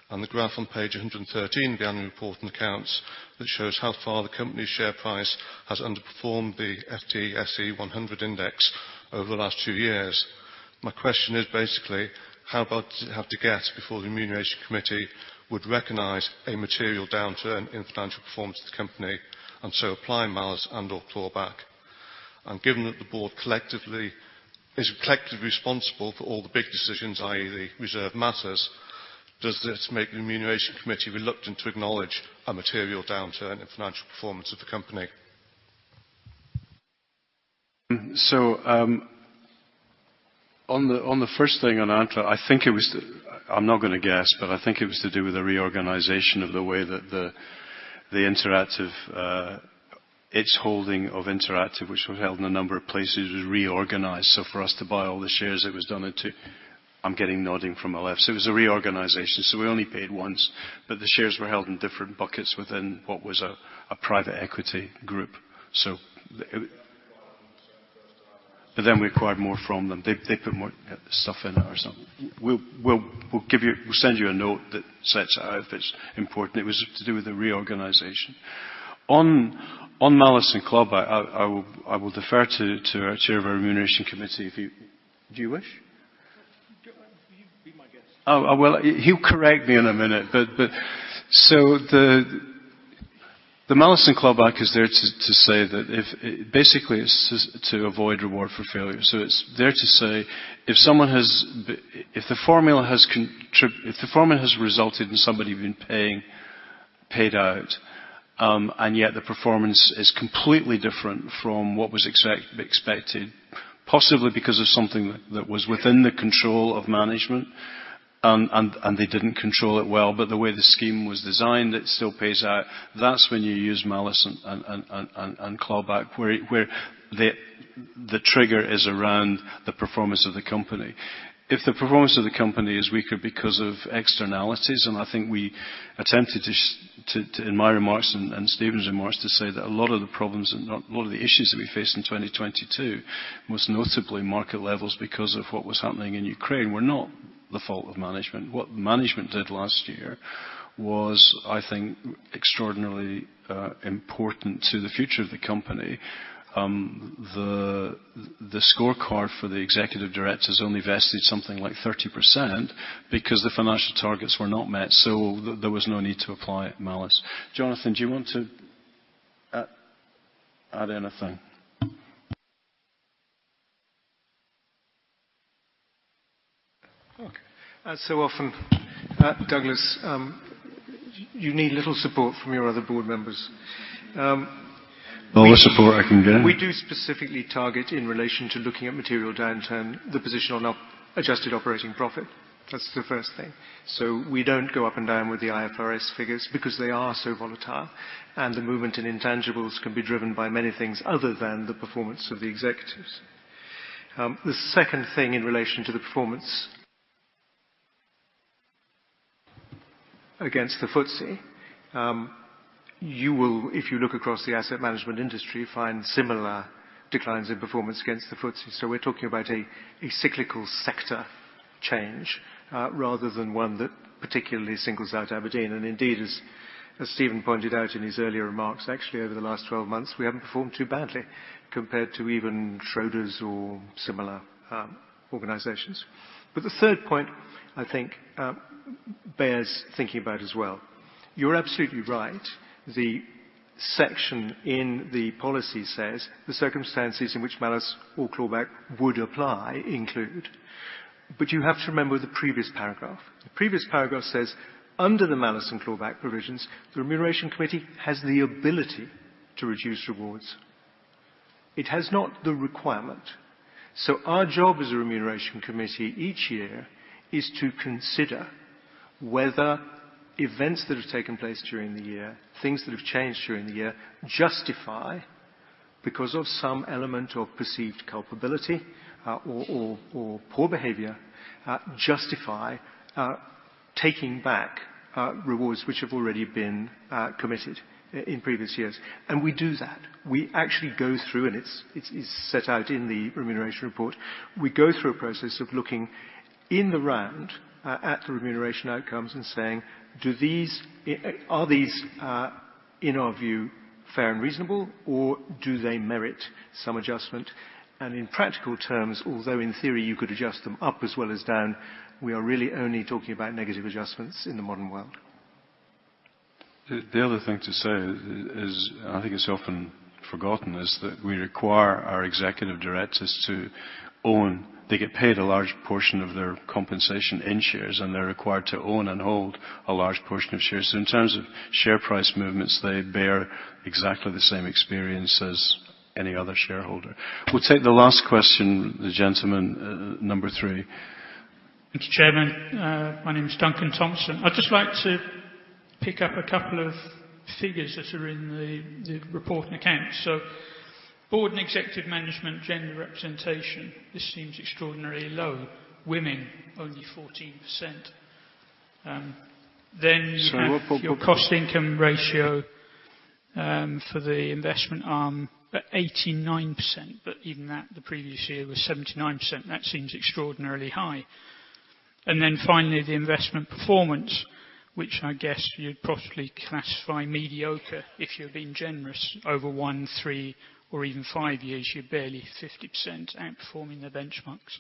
The graph on Page 113 of the annual report and accounts that shows how far the company's share price has underperformed the FTSE 100 Index over the last two years. My question is basically, how bad does it have to get before the Remuneration Committee would recognize a material downturn in financial performance of the company, and so apply malus and/or clawback? Given that the board is collectively responsible for all the big decisions, i.e., the reserve matters, does this make the Remuneration Committee reluctant to acknowledge a material downturn in financial performance of the company? On the 1st thing on Antler, I'm not gonna guess, but I think it was to do with the reorganization of the way that the interactive, its holding of interactive, which was held in a number of places, was reorganized. For us to buy all the shares, it was done in two. I'm getting nodding from my left. It was a reorganization. We only paid once, but the shares were held in different buckets within what was a private equity group. We acquired more from them. They put more stuff in it or something. We'll give you. We'll send you a note that sets that out if it's important. It was to do with the reorganization. On malus and clawback, I will defer to our chair of our Remuneration Committee. Do you wish? Go on. Be my guest. Oh, well, he'll correct me in a minute. Basically, it's to avoid reward for failure. It's there to say if the formula has resulted in somebody being paid out, and yet the performance is completely different from what was expected, possibly because of something that was within the control of management, and they didn't control it well, but the way the scheme was designed, it still pays out, that's when you use malus and clawback, where the trigger is around the performance of the company. If the performance of the company is weaker because of externalities, I think we attempted to. in my remarks and Stephen's remarks, to say that a lot of the problems and a lot of the issues that we faced in 2022, most notably market levels because of what was happening in Ukraine, were not the fault of management. What management did last year was, I think, extraordinarily important to the future of the company. The scorecard for the executive directors only vested something like 30% because the financial targets were not met. There was no need to apply malus. Jonathan, do you want to add anything? Okay. As so often, Douglas, you need little support from your other board members. All the support I can get. We do specifically target, in relation to looking at material downturn, the position on adjusted operating profit. That's the 1st thing. We don't go up and down with the IFRS figures because they are so volatile, and the movement in intangibles can be driven by many things other than the performance of the executives. The second thing in relation to the performance against the FTSE, you will, if you look across the asset management industry, find similar declines in performance against the FTSE. We're talking about a cyclical sector change rather than one that particularly singles out Aberdeen. Indeed, as Stephen pointed out in his earlier remarks, actually over the last 12 months, we haven't performed too badly compared to even Schroders or similar organizations. The 3rd point I think bears thinking about as well. You're absolutely right. The section in the policy says the circumstances in which malus or clawback would apply include. You have to remember the previous paragraph. The previous paragraph says, under the malus and clawback provisions, the Remuneration Committee has the ability to reduce rewards. It has not the requirement. Our job as a Remuneration Committee each year is to consider whether events that have taken place during the year, things that have changed during the year, justify, because of some element of perceived culpability, or poor behavior, justify, taking back, rewards which have already been committed in previous years. We do that. We actually go through, and it's, it's set out in the remuneration report. We go through a process of looking in the round, at the remuneration outcomes and saying, do these, are these, in our view, fair and reasonable, or do they merit some adjustment? In practical terms, although in theory you could adjust them up as well as down, we are really only talking about negative adjustments in the modern world. The other thing to say is I think it's often-forgotten is that we require our executive directors to own. They get paid a large portion of their compensation in shares, and they're required to own and hold a large portion of shares. In terms of share price movements, they bear exactly the same experience as any other shareholder. We'll take the last question, the gentleman, number three. Thanks, Chairman. My name is Duncan Thompson. I'd just like to pick up a couple of figures that are in the report and accounts. Board and executive management gender representation, this seems extraordinarily low. Women, only 14%. Sorry.... your cost income ratio, for the investment arm, at 89%. Even that, the previous year was 79%. That seems extraordinarily high. Finally, the investment performance, which I guess you'd possibly classify mediocre if you're being generous. Over one, three or even five years, you're barely 50% outperforming the benchmarks.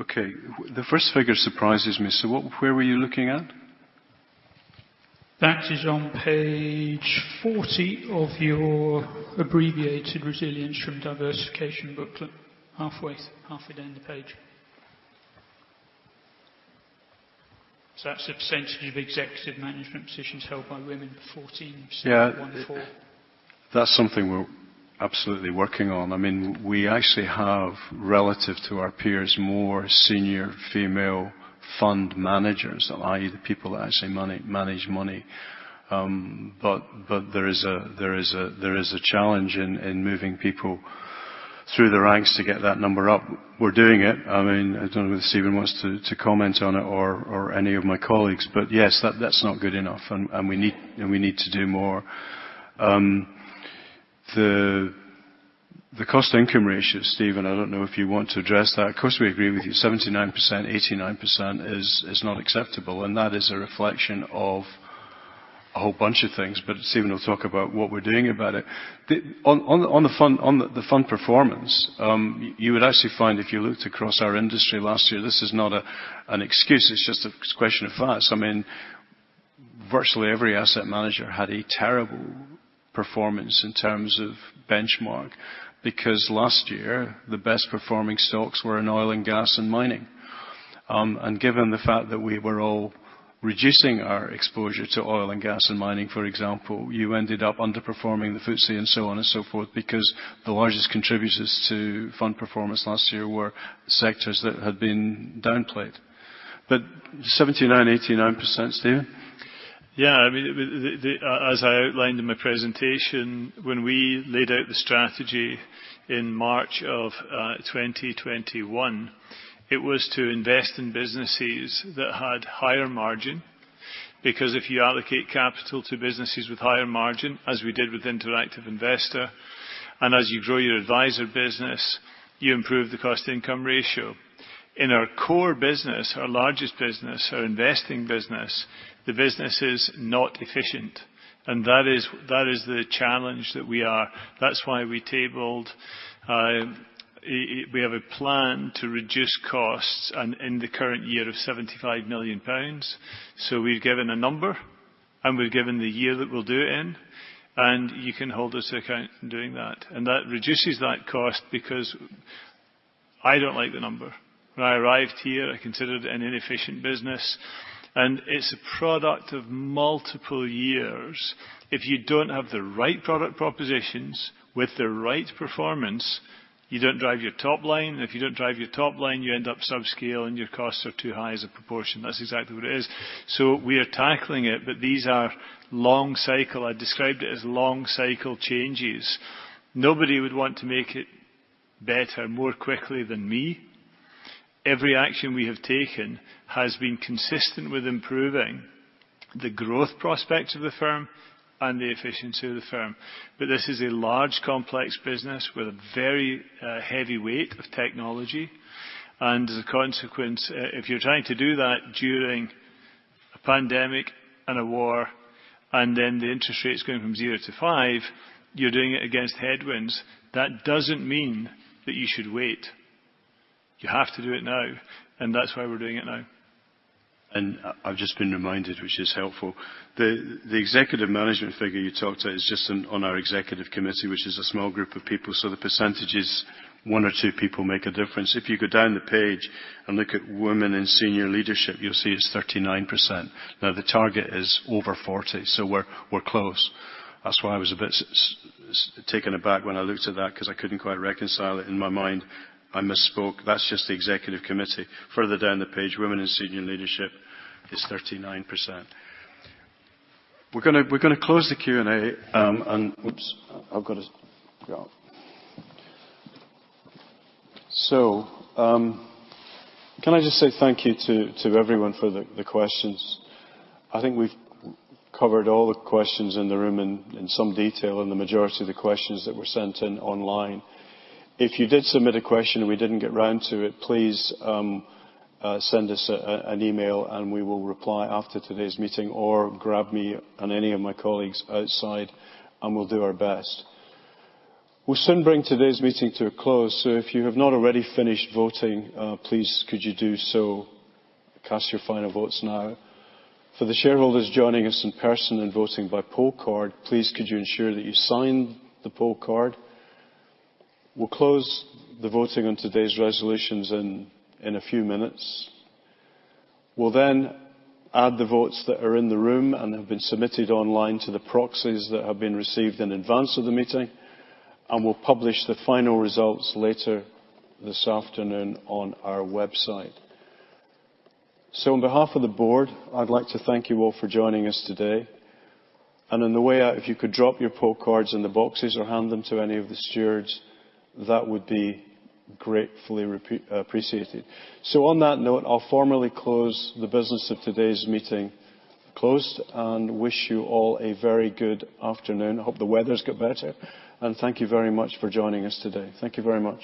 Okay. The first figure surprises me, where were you looking at? That is on Page 40 of your abbreviated resilience from diversification booklet. Halfway down the page. That's the percentage of executive management positions held by women, 14%. Yeah. One, four. That's something we're absolutely working on. I mean, we actually have, relative to our peers, more senior female fund managers, i.e. the people that actually manage money. But there is a challenge in moving people through the ranks to get that number up. We're doing it. I mean, I don't know whether Stephen wants to comment on it or any of my colleagues. Yes, that's not good enough, and we need to do more. The cost income ratio, Stephen, I don't know if you want to address that. Of course, we agree with you, 79%, 89% is not acceptable, and that is a reflection of a whole bunch of things. Stephen will talk about what we're doing about it. On the fund performance, you would actually find if you looked across our industry last year, this is not an excuse, it's just a question of fact. I mean, virtually every asset manager had a terrible performance in terms of benchmark. Last year, the best performing stocks were in oil and gas and mining. And given the fact that we were all reducing our exposure to oil and gas and mining, for example, you ended up underperforming the FTSE and so on and so forth because the largest contributors to fund performance last year were sectors that had been downplayed. 79%, 89%, Stephen? Yeah, I mean, the, as I outlined in my presentation, when we laid out the strategy in March of 2021, it was to invest in businesses that had higher margin. If you allocate capital to businesses with higher margin, as we did with interactive investor, and as you grow your adviser business, you improve the cost income ratio. In our core business, our largest business, our investing business, the business is not efficient, and that is the challenge that we are. That's why we tabled, we have a plan to reduce costs and in the current year of 75 million pounds. We've given a number, and we've given the year that we'll do it in, and you can hold us to account in doing that. That reduces that cost because I don't like the number. When I arrived here, I considered it an inefficient business, it's a product of multiple years. If you don't have the right product propositions with the right performance, you don't drive your top line. If you don't drive your top line, you end up subscale and your costs are too high as a proportion. That's exactly what it is. We are tackling it, but these are long cycle. I described it as long cycle changes. Nobody would want to make it better more quickly than me. Every action we have taken has been consistent with improving the growth prospects of the firm and the efficiency of the firm. This is a large, complex business with a very heavy weight of technology. As a consequence, if you're trying to do that during a pandemic and a war, and then the interest rate's going from 0 to 5, you're doing it against headwinds. That doesn't mean that you should wait. You have to do it now, and that's why we're doing it now. I've just been reminded, which is helpful. The executive management figure you talked about is just on our Executive Committee, which is a small group of people. The percentages, one or two people make a difference. If you go down the page and look at women in senior leadership, you'll see it's 39%. The target is over 40, so we're close. That's why I was a bit taken aback when I looked at that because I couldn't quite reconcile it in my mind. I misspoke. That's just the Executive Committee. Further down the page, women in senior leadership is 39%. We're gonna close the Q&A, and... Whoops, I've got to get off. Can I just say thank you to everyone for the questions. I think we've covered all the questions in the room in some detail and the majority of the questions that were sent in online. If you did submit a question and we didn't get around to it, please send us an email and we will reply after today's meeting. Grab me and any of my colleagues outside, and we'll do our best. We'll soon bring today's meeting to a close. If you have not already finished voting, please could you do so. Cast your final votes now. For the shareholders joining us in person and voting by poll card, please could you ensure that you sign the poll card. We'll close the voting on today's resolutions in a few minutes. We'll add the votes that are in the room and have been submitted online to the proxies that have been received in advance of the meeting. We'll publish the final results later this afternoon on our website. On behalf of the board, I'd like to thank you all for joining us today. On the way out, if you could drop your poll cards in the boxes or hand them to any of the stewards, that would be gratefully appreciated. On that note, I'll formally close the business of today's meeting closed and wish you all a very good afternoon. Hope the weather's got better, and thank you very much for joining us today. Thank you very much.